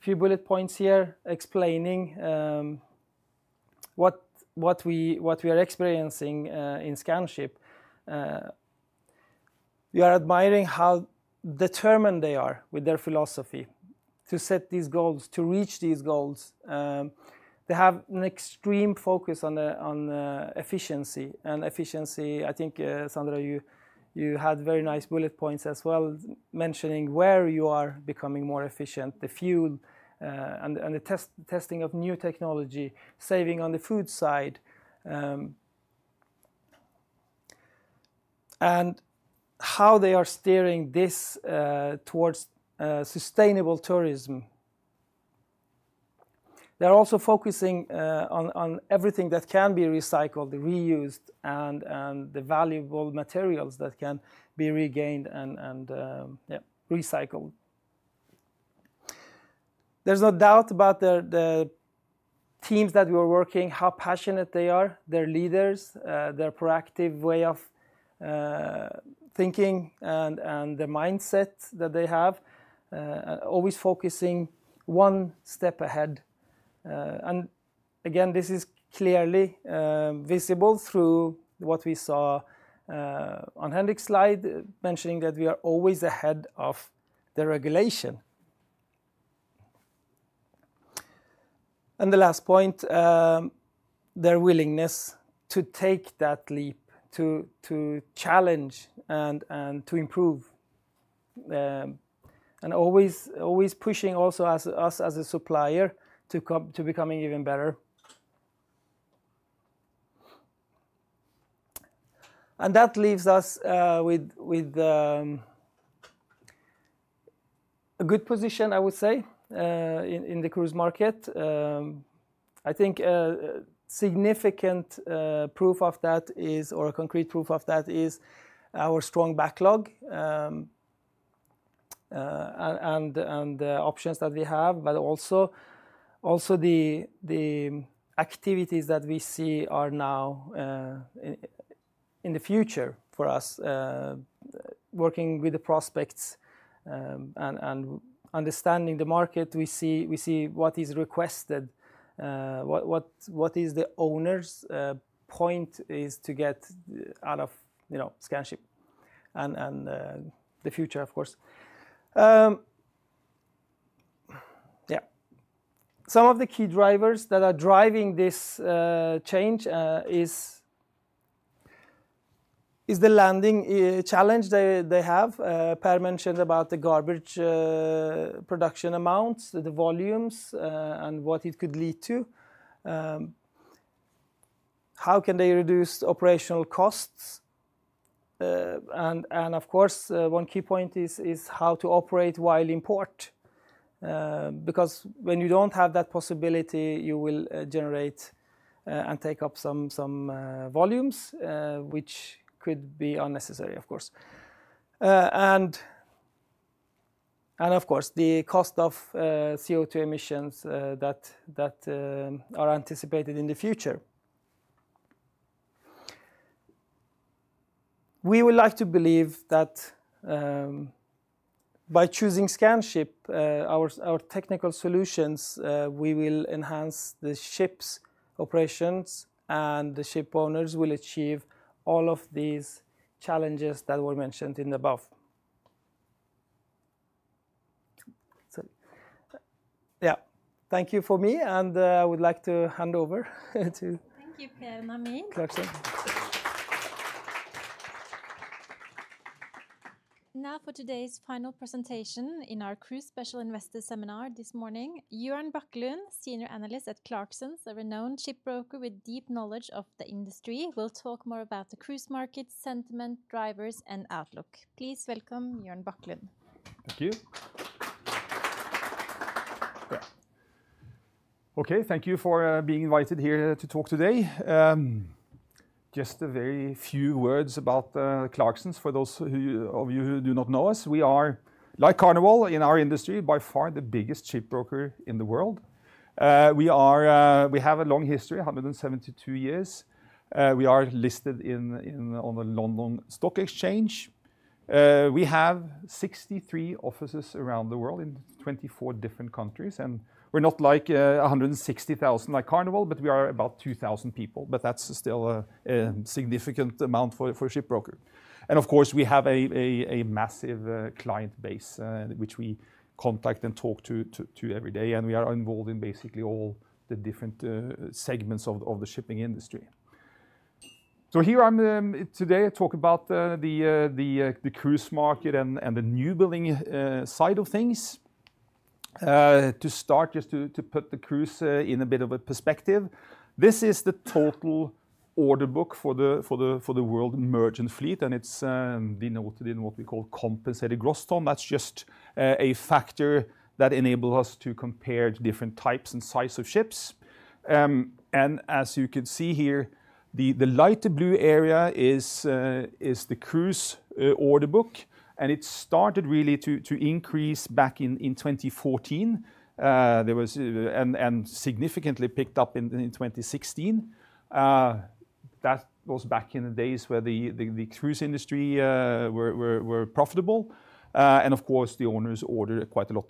few bullet points here explaining what we are experiencing in Scanship. We are admiring how determined they are with their philosophy to set these goals, to reach these goals. They have an extreme focus on the efficiency, and efficiency, I think, Sandra, you had very nice bullet points as well, mentioning where you are becoming more efficient, the fuel, and the testing of new technology, saving on the food side, and how they are steering this towards sustainable tourism. They're also focusing on everything that can be recycled, reused, and the valuable materials that can be regained and recycled. There's no doubt about the teams that we are working, how passionate they are, their leaders, their proactive way of thinking, and the mindset that they have, always focusing one step ahead. And again, this is clearly visible through what we saw on Henrik's slide, mentioning that we are always ahead of the regulation. And the last point, their willingness to take that leap, to challenge and to improve, and always pushing also us as a supplier, to come to becoming even better. And that leaves us with a good position, I would say, in the cruise market. I think significant proof of that is, or a concrete proof of that is our strong backlog, and the options that we have, but also the activities that we see are now in the future for us, working with the prospects, and understanding the market, we see what is requested, what is the owner's point is to get out of, you know, Scanship and the future, of course. Yeah. Some of the key drivers that are driving this change is the landing challenge they have. Per mentioned about the garbage production amounts, the volumes, and what it could lead to. How can they reduce operational costs? And of course, one key point is how to operate while in port, because when you don't have that possibility, you will generate and take up some volumes, which could be unnecessary, of course. And of course, the cost of CO2 emissions that are anticipated in the future. We would like to believe that by choosing Scanship, our technical solutions, we will enhance the ship's operations, and the ship owners will achieve all of these challenges that were mentioned in above. So, yeah, thank you for me, and, I would like to hand over to. Thank you, Per, Hamid. Clarksons. Now, for today's final presentation in our Cruise Special Investor Seminar this morning, Jørn Bakkelund, Senior Analyst at Clarksons, a renowned shipbroker with deep knowledge of the industry, will talk more about the cruise market, sentiment, drivers, and outlook. Please welcome Jørn Bakkelund. Thank you. Okay, thank you for being invited here to talk today. Just a very few words about Clarksons, for those of you who do not know us, we are, like Carnival, in our industry, by far the biggest shipbroker in the world. We have a long history, 172 years. We are listed on the London Stock Exchange. We have 63 offices around the world in 24 different countries, and we're not like a 160,000 like Carnival, but we are about 2,000 people, but that's still a significant amount for a shipbroker. Of course, we have a massive client base, which we contact and talk to every day, and we are involved in basically all the different segments of the shipping industry. So here I'm today talk about the cruise market and the new building side of things. To start, just to put the cruise in a bit of a perspective, this is the total order book for the world merchant fleet, and it's denoted in what we call compensated gross ton. That's just a factor that enables us to compare different types and size of ships. And as you can see here, the lighter blue area is the cruise order book, and it started really to increase back in 2014. There was and significantly picked up in 2016. That was back in the days where the cruise industry were profitable. And of course, the owners ordered quite a lot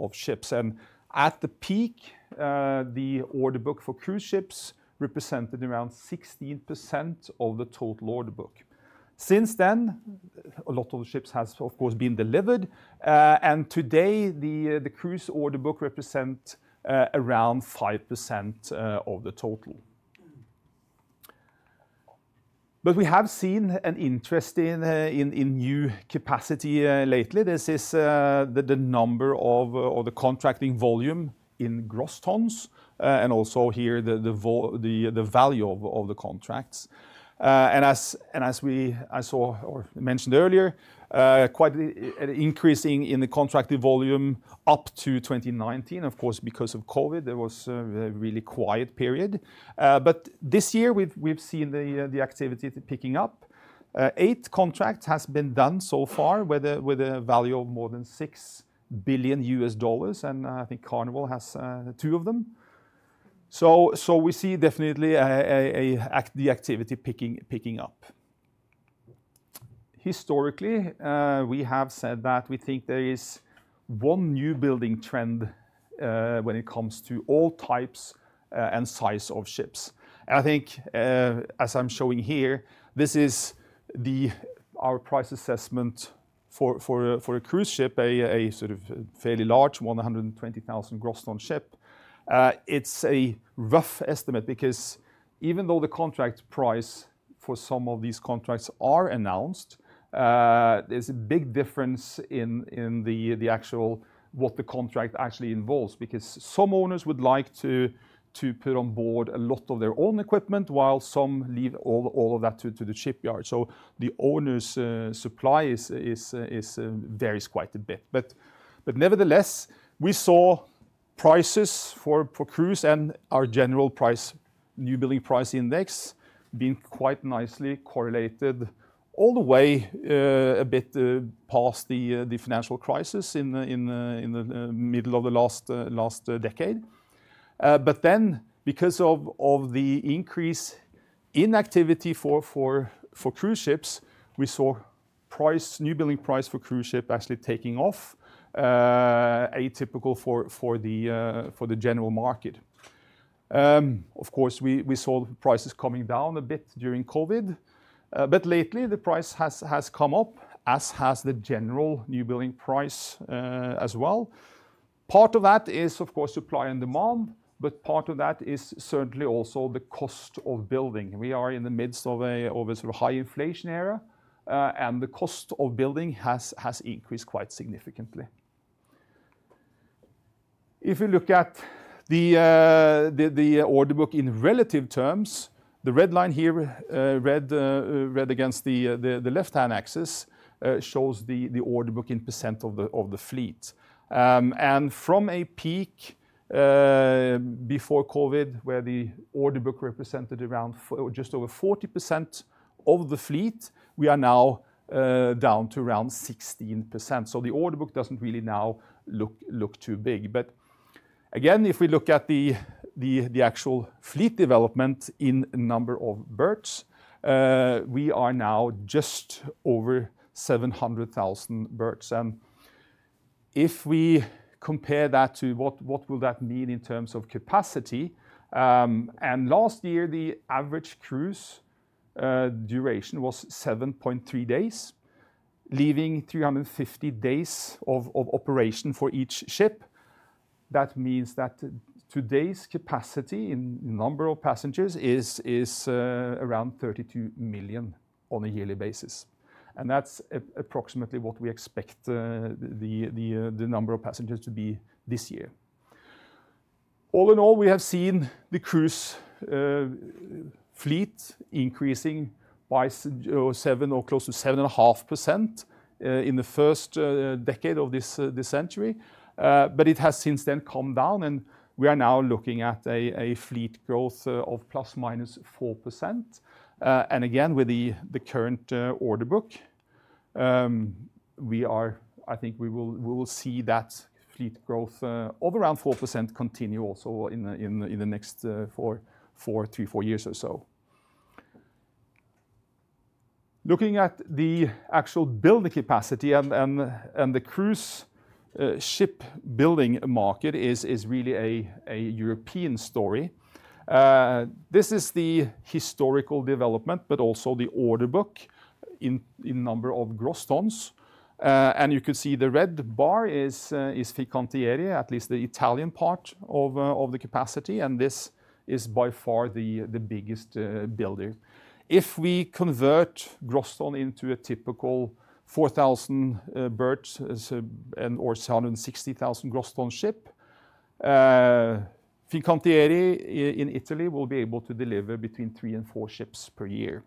of ships. And at the peak, the order book for cruise ships represented around 16% of the total order book. Since then, a lot of the ships has, of course, been delivered, and today, the cruise order book represent around 5% of the total. But we have seen an interest in new capacity lately. This is the number of, or the contracting volume in gross tons, and also here, the value of the contracts. And as we saw or mentioned earlier, quite an increasing in the contracted volume up to 2019. Of course, because of COVID, there was a really quiet period. But this year, we've seen the activity picking up. Eight contracts has been done so far, with a value of more than $6 billion, and I think Carnival has two of them. So we see definitely the activity picking up. Historically, we have said that we think there is one new building trend, when it comes to all types, and size of ships. I think, as I'm showing here, this is our price assessment for a cruise ship, a sort of fairly large 120,000 gross ton ship. It's a rough estimate because even though the contract price for some of these contracts are announced, there's a big difference in the actual what the contract actually involves. Because some owners would like to put on board a lot of their own equipment, while some leave all of that to the shipyard. So the owner's supply varies quite a bit. But nevertheless, we saw prices for cruise and our general price new building price index being quite nicely correlated all the way, a bit past the financial crisis in the middle of the last decade. But then, because of the increase in activity for cruise ships, we saw price new building price for cruise ship actually taking off, atypical for the general market. Of course, we saw the prices coming down a bit during COVID, but lately, the price has come up, as has the general new building price, as well. Part of that is, of course, supply and demand, but part of that is certainly also the cost of building. We are in the midst of a sort of high inflation era, and the cost of building has increased quite significantly. If you look at the order book in relative terms, the red line here, red against the left-hand axis, shows the order book in percent of the fleet. And from a peak before COVID, where the order book represented around just over 40% of the fleet, we are now down to around 16%. So the order book doesn't really now look too big. But again, if we look at the actual fleet development in number of berths, we are now just over 700,000 berths. And if we compare that to what, what will that mean in terms of capacity, and last year, the average cruise duration was 7.3 days, leaving 350 days of operation for each ship. That means that today's capacity in number of passengers is around 32 million on a yearly basis, and that's approximately what we expect the number of passengers to be this year. All in all, we have seen the cruise fleet increasing by seven or close to 7.5%, in the first decade of this century. But it has since then calmed down, and we are now looking at a fleet growth of ±4%. Again, with the current order book, we are, I think we will see that fleet growth of around 4% continue also in the next [44] years or so. Looking at the actual building capacity and the cruise ship building market is really a European story. This is the historical development, but also the order book in number of gross tons. And you can see the red bar is Fincantieri, at least the Italian part of the capacity, and this is by far the biggest builder. If we convert gross ton into a typical 4,000 berths, or 160,000 gross ton ship, Fincantieri in Italy will be able to deliver between three and four ships per year.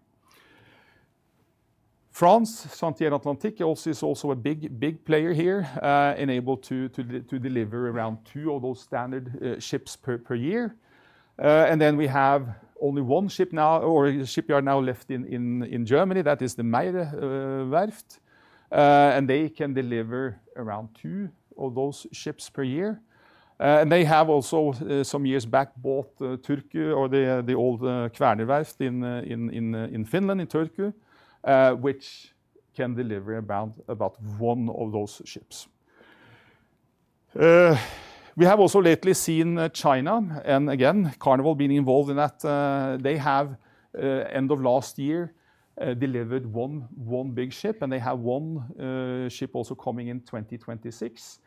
France, Chantiers de l'Atlantique, also is also a big, big player here, and able to deliver around twtwo of those standard ships per year. And then we have only one shipyard now left in Germany. That is the Meyer Werft, and they can deliver around 2 of those ships per year. And they have also some years back, bought Turku or the old Kvaerner Werft in Finland, in Turku, which can deliver about one of those ships. We have also lately seen China, and again, Carnival being involved in that. They have, end of last year, delivered one big ship, and they have one ship also coming in 2026.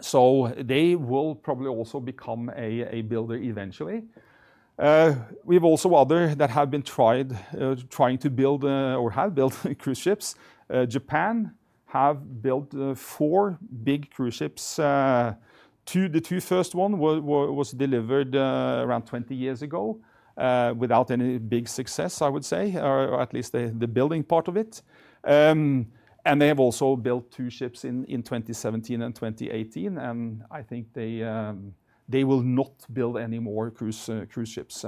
So they will probably also become a builder eventually. We have also others that have been tried trying to build or have built cruise ships. Japan have built four big cruise ships. Two, the two first ones was delivered around 20 years ago without any big success, I would say, or at least the building part of it. And they have also built two ships in 2017 and 2018, and I think they will not build any more cruise ships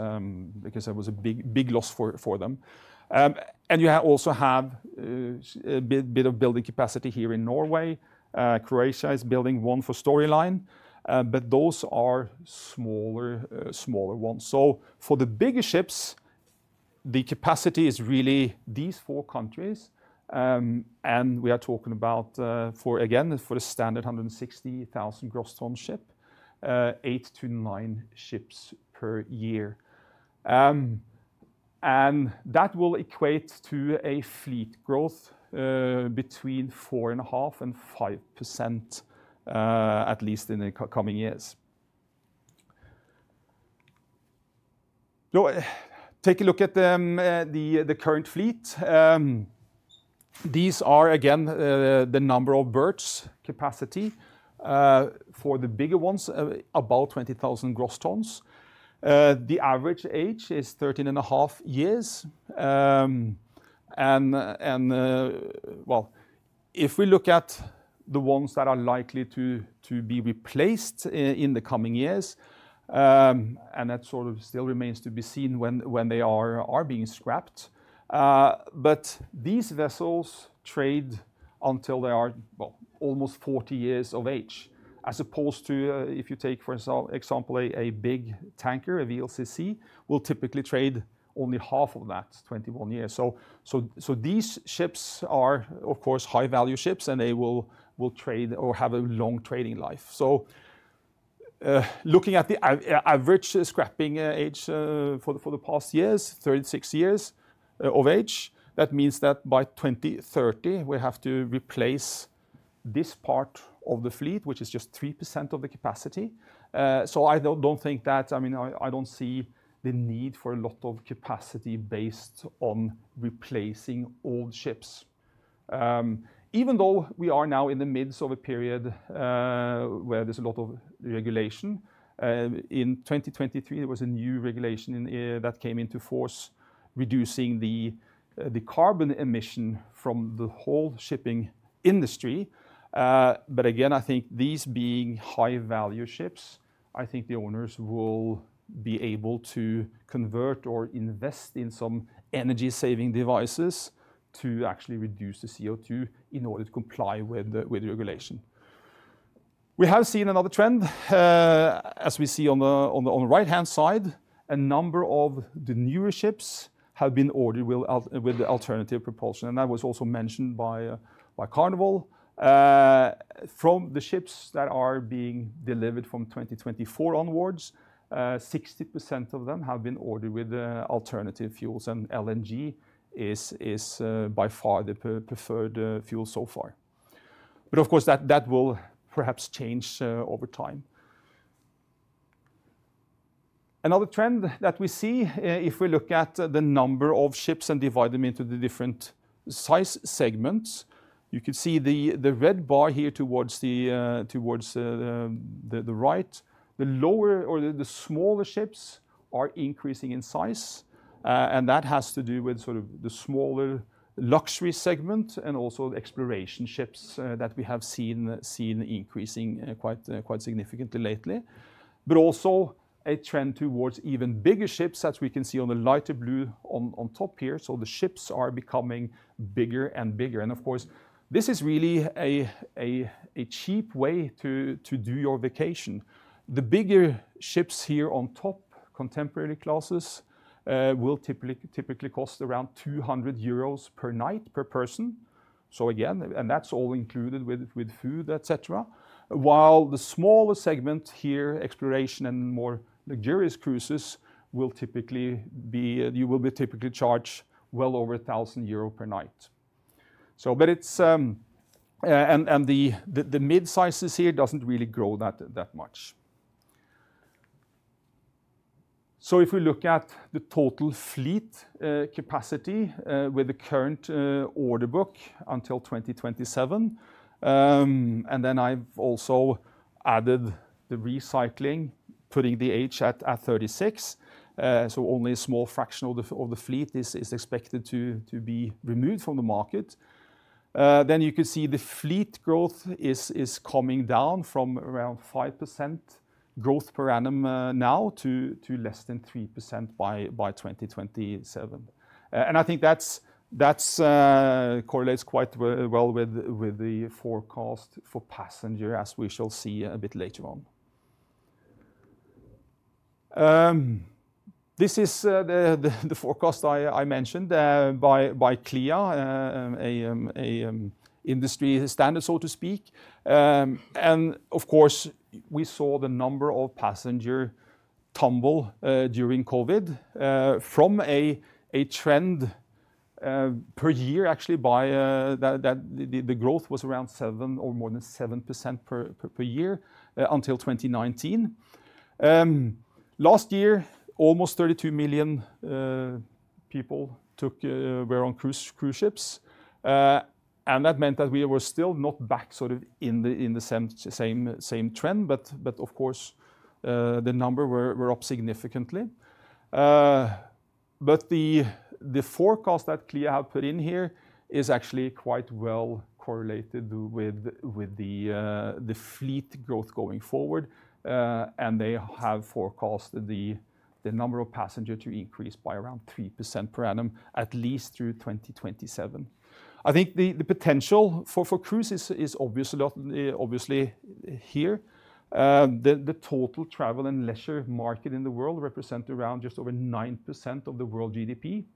because that was a big loss for them. And you also have a bit of building capacity here in Norway. Croatia is building one for Storylines, but those are smaller ones. So for the bigger ships, the capacity is really these four countries. And we are talking about, again, for the standard 160,000 gross ton ship, 8-9 ships per year. And that will equate to a fleet growth between 4.5% and 5%, at least in the coming years. So, take a look at the current fleet. These are, again, the number of berths capacity, for the bigger ones, about 20,000 gross tons. The average age is 13.5 years. Well, if we look at the ones that are likely to be replaced in the coming years, and that sort of still remains to be seen when they are being scrapped. But these vessels trade until they are almost 40 years of age, as opposed to if you take, for example, a big tanker, a VLCC, will typically trade only half of that, 21 years. So these ships are, of course, high-value ships, and they will trade or have a long trading life. So looking at the average scrapping age for the past years, 36 years of age, that means that by 2030, we have to replace this part of the fleet, which is just 3% of the capacity. So I don't think that I mean, I don't see the need for a lot of capacity based on replacing old ships. Even though we are now in the midst of a period where there's a lot of regulation. In 2023, there was a new regulation in, uh, that came into force, reducing the, uh, the carbon emission from the whole shipping industry. But again, I think these being high-value ships, I think the owners will be able to convert or invest in some energy-saving devices to actually reduce the CO2 in order to comply with the, with the regulation. We have seen another trend, as we see on the right-hand side. A number of the newer ships have been ordered with alternative propulsion, and that was also mentioned by Carnival. From the ships that are being delivered from 2024 onwards, 60% of them have been ordered with alternative fuels, and LNG is by far the preferred fuel so far. But of course, that will perhaps change over time. Another trend that we see, if we look at the number of ships and divide them into the different size segments, you can see the red bar here towards the right. The lower or the smaller ships are increasing in size, and that has to do with sort of the smaller luxury segment and also the exploration ships that we have seen increasing quite significantly lately. But also a trend towards even bigger ships, as we can see on the lighter blue on top here, so the ships are becoming bigger and bigger. And of course, this is really a cheap way to do your vacation. The bigger ships here on top, contemporary classes, will typically cost around 200 euros per night per person. So again, and that's all included with food, etcetera. While the smaller segment here, exploration and more luxurious cruises, will typically be you will be typically charged well over 1,000 euro per night. So but it's the mid sizes here doesn't really grow that much. So if we look at the total fleet capacity with the current order book until 2027, and then I've also added the recycling, putting the age at 36, so only a small fraction of the fleet is expected to be removed from the market. Then you can see the fleet growth is coming down from around 5% growth per annum now to less than 3% by 2027. And I think that correlates quite well with the forecast for passenger, as we shall see a bit later on. This is the forecast I mentioned by CLIA, an industry standard, so to speak. And of course, we saw the number of passengers tumbled during COVID from a trend per year, actually, by that the growth was around 7% or more than 7% per year until 2019. Last year, almost 32 million people were on cruise ships. And that meant that we were still not back sort of in the same trend, but of course, the number were up significantly. But the forecast that CLIA have put in here is actually quite well correlated with the fleet growth going forward, and they have forecast the number of passengers to increase by around 3% per annum, at least through 2027. I think the potential for cruises is obviously a lot, obviously here. The total travel and leisure market in the world represents around just over 9% of the world GDP.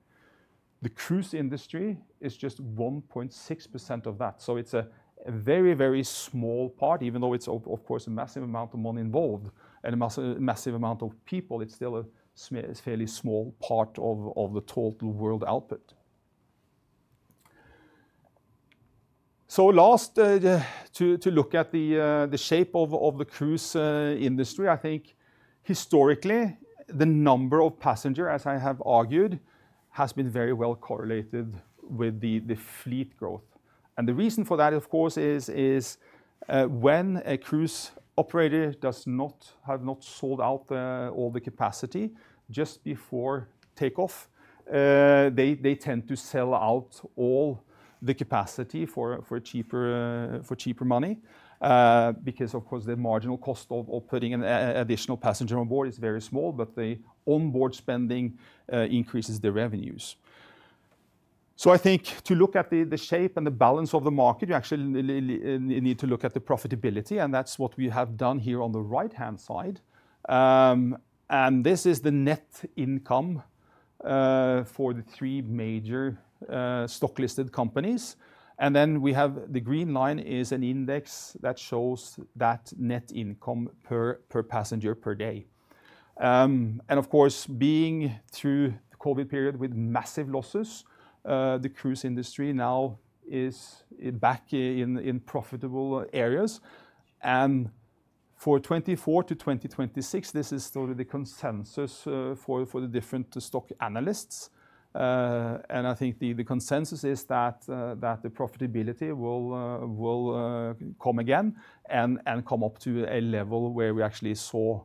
The cruise industry is just 1.6% of that. So it's a very, very small part, even though it's of course a massive amount of money involved and a massive, massive amount of people, it's still a fairly small part of the total world output. So last to look at the shape of the cruise industry, I think historically, the number of passengers, as I have argued, has been very well correlated with the fleet growth. The reason for that, of course, is when a cruise operator has not sold out all the capacity just before takeoff, they tend to sell out all the capacity for cheaper money, because of course, the marginal cost of putting an additional passenger on board is very small, but the onboard spending increases their revenues. So I think to look at the shape and the balance of the market, you actually need to look at the profitability, and that's what we have done here on the right-hand side. And this is the net income for the three major stock-listed companies. And then we have the green line is an index that shows that net income per passenger per day. And of course, being through the COVID period with massive losses, the cruise industry now is back in profitable areas and for 2024 to 2026, this is sort of the consensus for the different stock analysts. And I think the consensus is that the profitability will come again, and come up to a level where we actually saw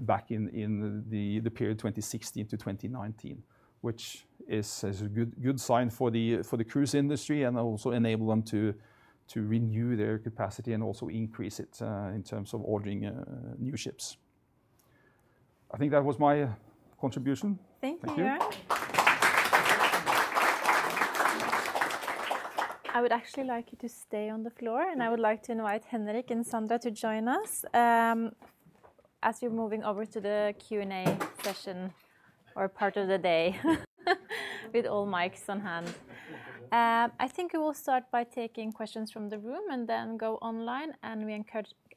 back in the period 2016 to 2019, which is a good sign for the cruise industry and also enable them to renew their capacity and also increase it in terms of ordering new ships. I think that was my contribution. Thank you, Jørn. I would actually like you to stay on the floor, and I would like to invite Henrik and Sandra to join us, as we're moving over to the Q&A session or part of the day with all mics on hand. I think we will start by taking questions from the room and then go online, and we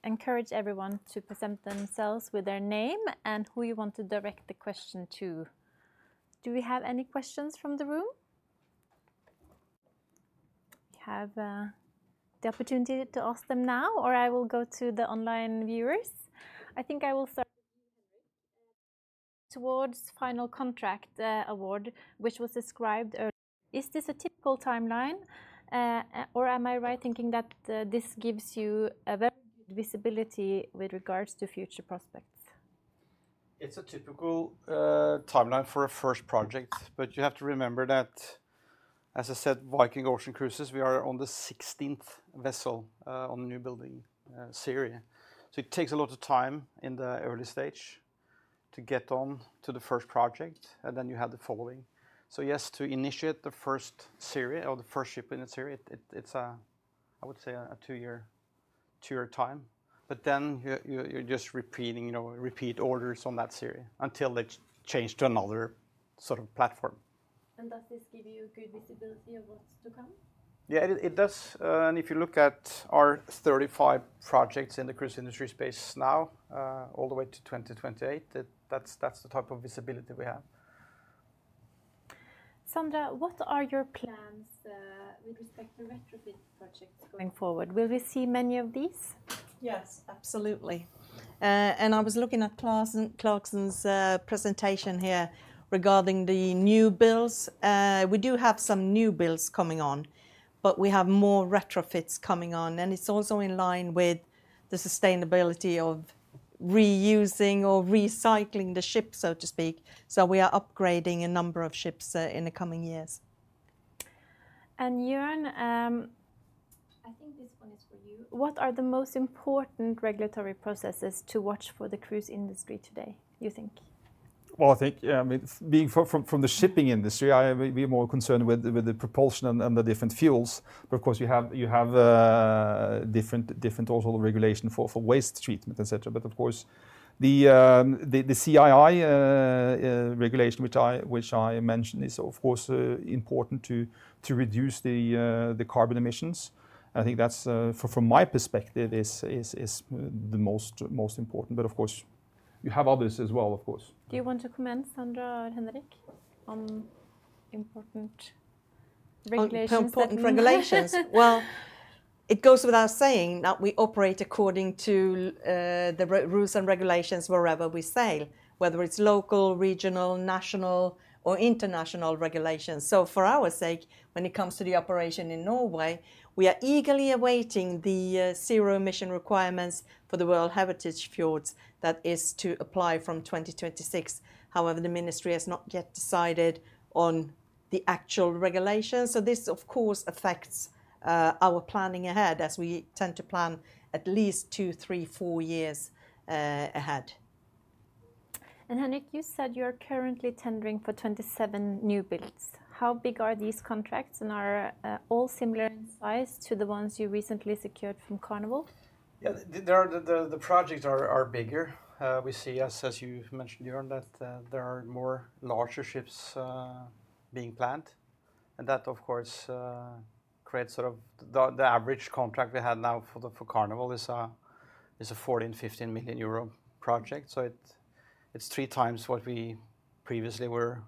encourage everyone to present themselves with their name and who you want to direct the question to. Do we have any questions from the room? You have the opportunity to ask them now, or I will go to the online viewers? I think I will start towards final contract award, which was described? Is this a typical timeline, or am I right thinking that this gives you a very good visibility with regards to future prospects? It's a typical timeline for a first project, but you have to remember that, as I said, Viking Ocean Cruises, we are on the 16th vessel on the new building series. So it takes a lot of time in the early stage to get on to the first project, and then you have the following. So yes, to initiate the first series or the first ship in a series, it, it's a, I would say, a two-year, two-year time. But then you're, you're just repeating, you know, repeat orders on that series until they change to another sort of platform. Does this give you a good visibility of what's to come? Yeah, it does. And if you look at our 35 projects in the cruise industry space now, all the way to 2028, that's the type of visibility we have. Sandra, what are your plans with respect to retrofit projects going forward? Will we see many of these? Yes, absolutely. And I was looking at Clarksons' presentation here regarding the new builds. We do have some new builds coming on, but we have more retrofits coming on, and it's also in line with the sustainability of reusing or recycling the ship, so to speak. So we are upgrading a number of ships in the coming years. Jørn, I think this one is for you. What are the most important regulatory processes to watch for the cruise industry today, you think? Well, I think, I mean, being from the shipping industry, I may be more concerned with the propulsion and the different fuels. But of course, you have different also regulation for waste treatment, etc. But of course, the CII regulation, which I mentioned, is of course important to reduce the carbon emissions. I think that's from my perspective is the most important, but of course, you have others as well, of course. Do you want to comment, Sandra or Henrik, on important regulations? On important regulations? Well, it goes without saying that we operate according to, the rules and regulations wherever we sail, whether it's local, regional, national, or international regulations. So for our sake, when it comes to the operation in Norway, we are eagerly awaiting the, zero-emission requirements for the World Heritage Fjords that is to apply from 2026. However, the ministry has not yet decided on the actual regulations, so this, of course, affects, our planning ahead, as we tend to plan at least two, three, four years, ahead. Henrik, you said you are currently tendering for 27 new builds. How big are these contracts, and are all similar in size to the ones you recently secured from Carnival? Yeah, they are. The projects are bigger. We see, as you mentioned, Jørn, that there are more larger ships being planned. And that, of course, creates sort of the average contract we have now for Carnival is a 14 million-15 million euro project. So it's three times what we previously were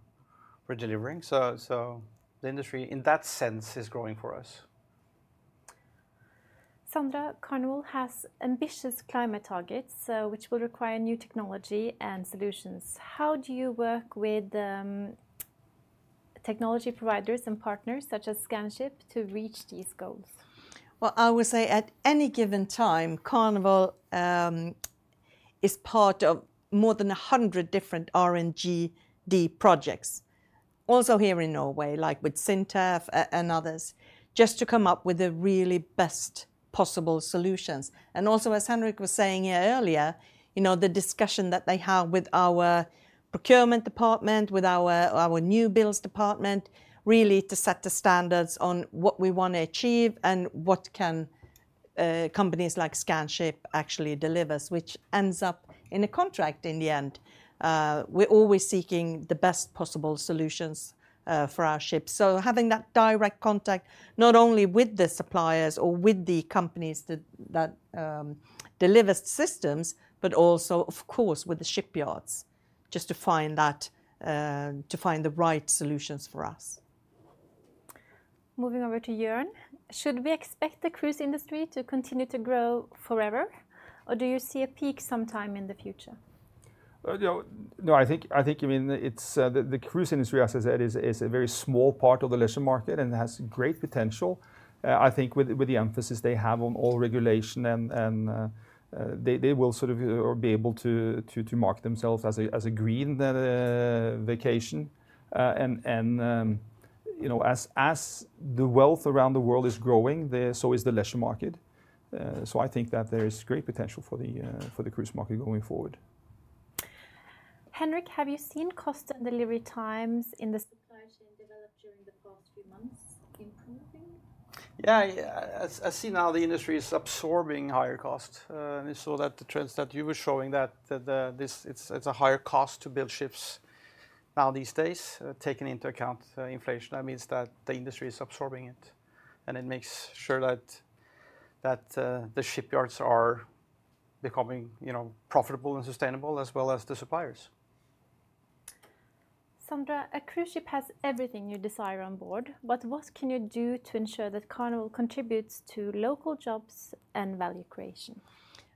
delivering. So the industry, in that sense, is growing for us. Sandra, Carnival has ambitious climate targets, which will require new technology and solutions. How do you work with technology providers and partners such as Scanship to reach these goals? Well, I would say at any given time, Carnival is part of more than 100 different R&D projects. Also here in Norway, like with SINTEF and others, just to come up with the really best possible solutions. And also, as Henrik was saying here earlier, you know, the discussion that they have with our procurement department, with our new builds department, really to set the standards on what we want to achieve and what can companies like Scanship actually delivers, which ends up in a contract in the end. We're always seeking the best possible solutions for our ships. So having that direct contact, not only with the suppliers or with the companies that deliver systems, but also, of course, with the shipyards, just to find the right solutions for us. Moving over to Jørn, should we expect the cruise industry to continue to grow forever, or do you see a peak sometime in the future? Well, you know, no, I think, I mean, it's the cruise industry, as I said, is a very small part of the leisure market and has great potential. I think with the emphasis they have on all regulation and they will sort of or be able to market themselves as a green vacation. And you know, as the wealth around the world is growing, so is the leisure market. So I think that there is great potential for the cruise market going forward. Henrik, have you seen cost and delivery times in the supply chain develop during the past few months, improving? Yeah, I see now the industry is absorbing higher costs. And I saw that the trends that you were showing, it's a higher cost to build ships now these days, taking into account inflation. That means that the industry is absorbing it, and it makes sure that the shipyards are becoming, you know, profitable and sustainable as well as the suppliers. Sandra, a cruise ship has everything you desire on board, but what can you do to ensure that Carnival contributes to local jobs and value creation?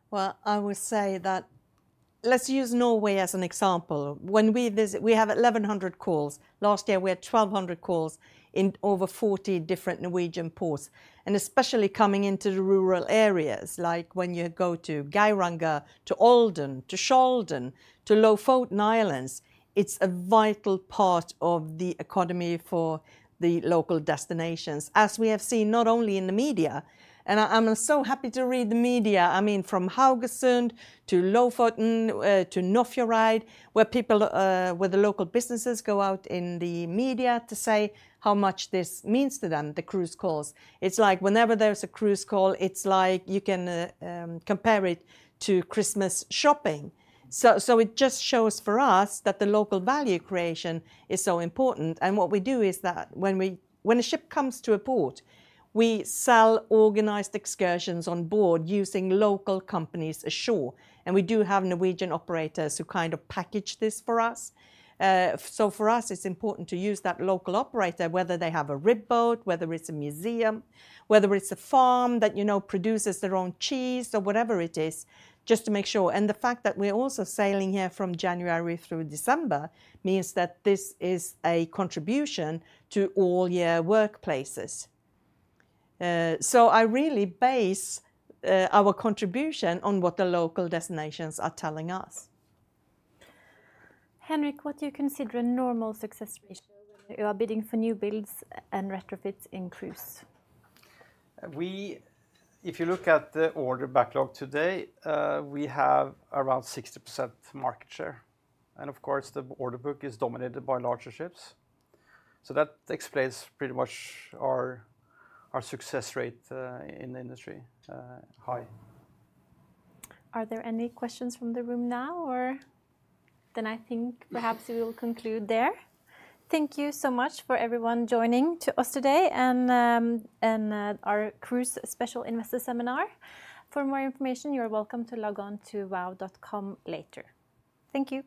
Well, I would say that let's use Norway as an example. When we visit, we have 1,100 calls. Last year we had 1,200 calls in over 40 different Norwegian ports, and especially coming into the rural areas, like when you go to Geiranger, to Olden, to Svolvær, to Lofoten Islands, it's a vital part of the economy for the local destinations, as we have seen not only in the media. I, I'm so happy to read the media, I mean, from Haugesund to Lofoten, to Nordfjordeid, where people, where the local businesses go out in the media to say how much this means to them, the cruise calls. It's like whenever there's a cruise call, it's like you can compare it to Christmas shopping. So it just shows for us that the local value creation is so important, and what we do is that when a ship comes to a port, we sell organized excursions on board using local companies ashore, and we do have Norwegian operators who kind of package this for us. So for us, it's important to use that local operator, whether they have a RIB boat, whether it's a museum, whether it's a farm that, you know, produces their own cheese or whatever it is, just to make sure. And the fact that we're also sailing here from January through December means that this is a contribution to all-year workplaces. So I really base our contribution on what the local destinations are telling us. Henrik, what do you consider a normal success are bidding for new builds and retrofits in cruise? We, if you look at the order backlog today, we have around 60% market share, and of course, the order book is dominated by larger ships. So that explains pretty much our, our success rate in the industry, high. Are there any questions from the room now, or? Then I think perhaps we will conclude there. Thank you so much for everyone joining to us today and our Cruise Special Investor Seminar. For more information, you are welcome to log on to vow.com later. Thank you.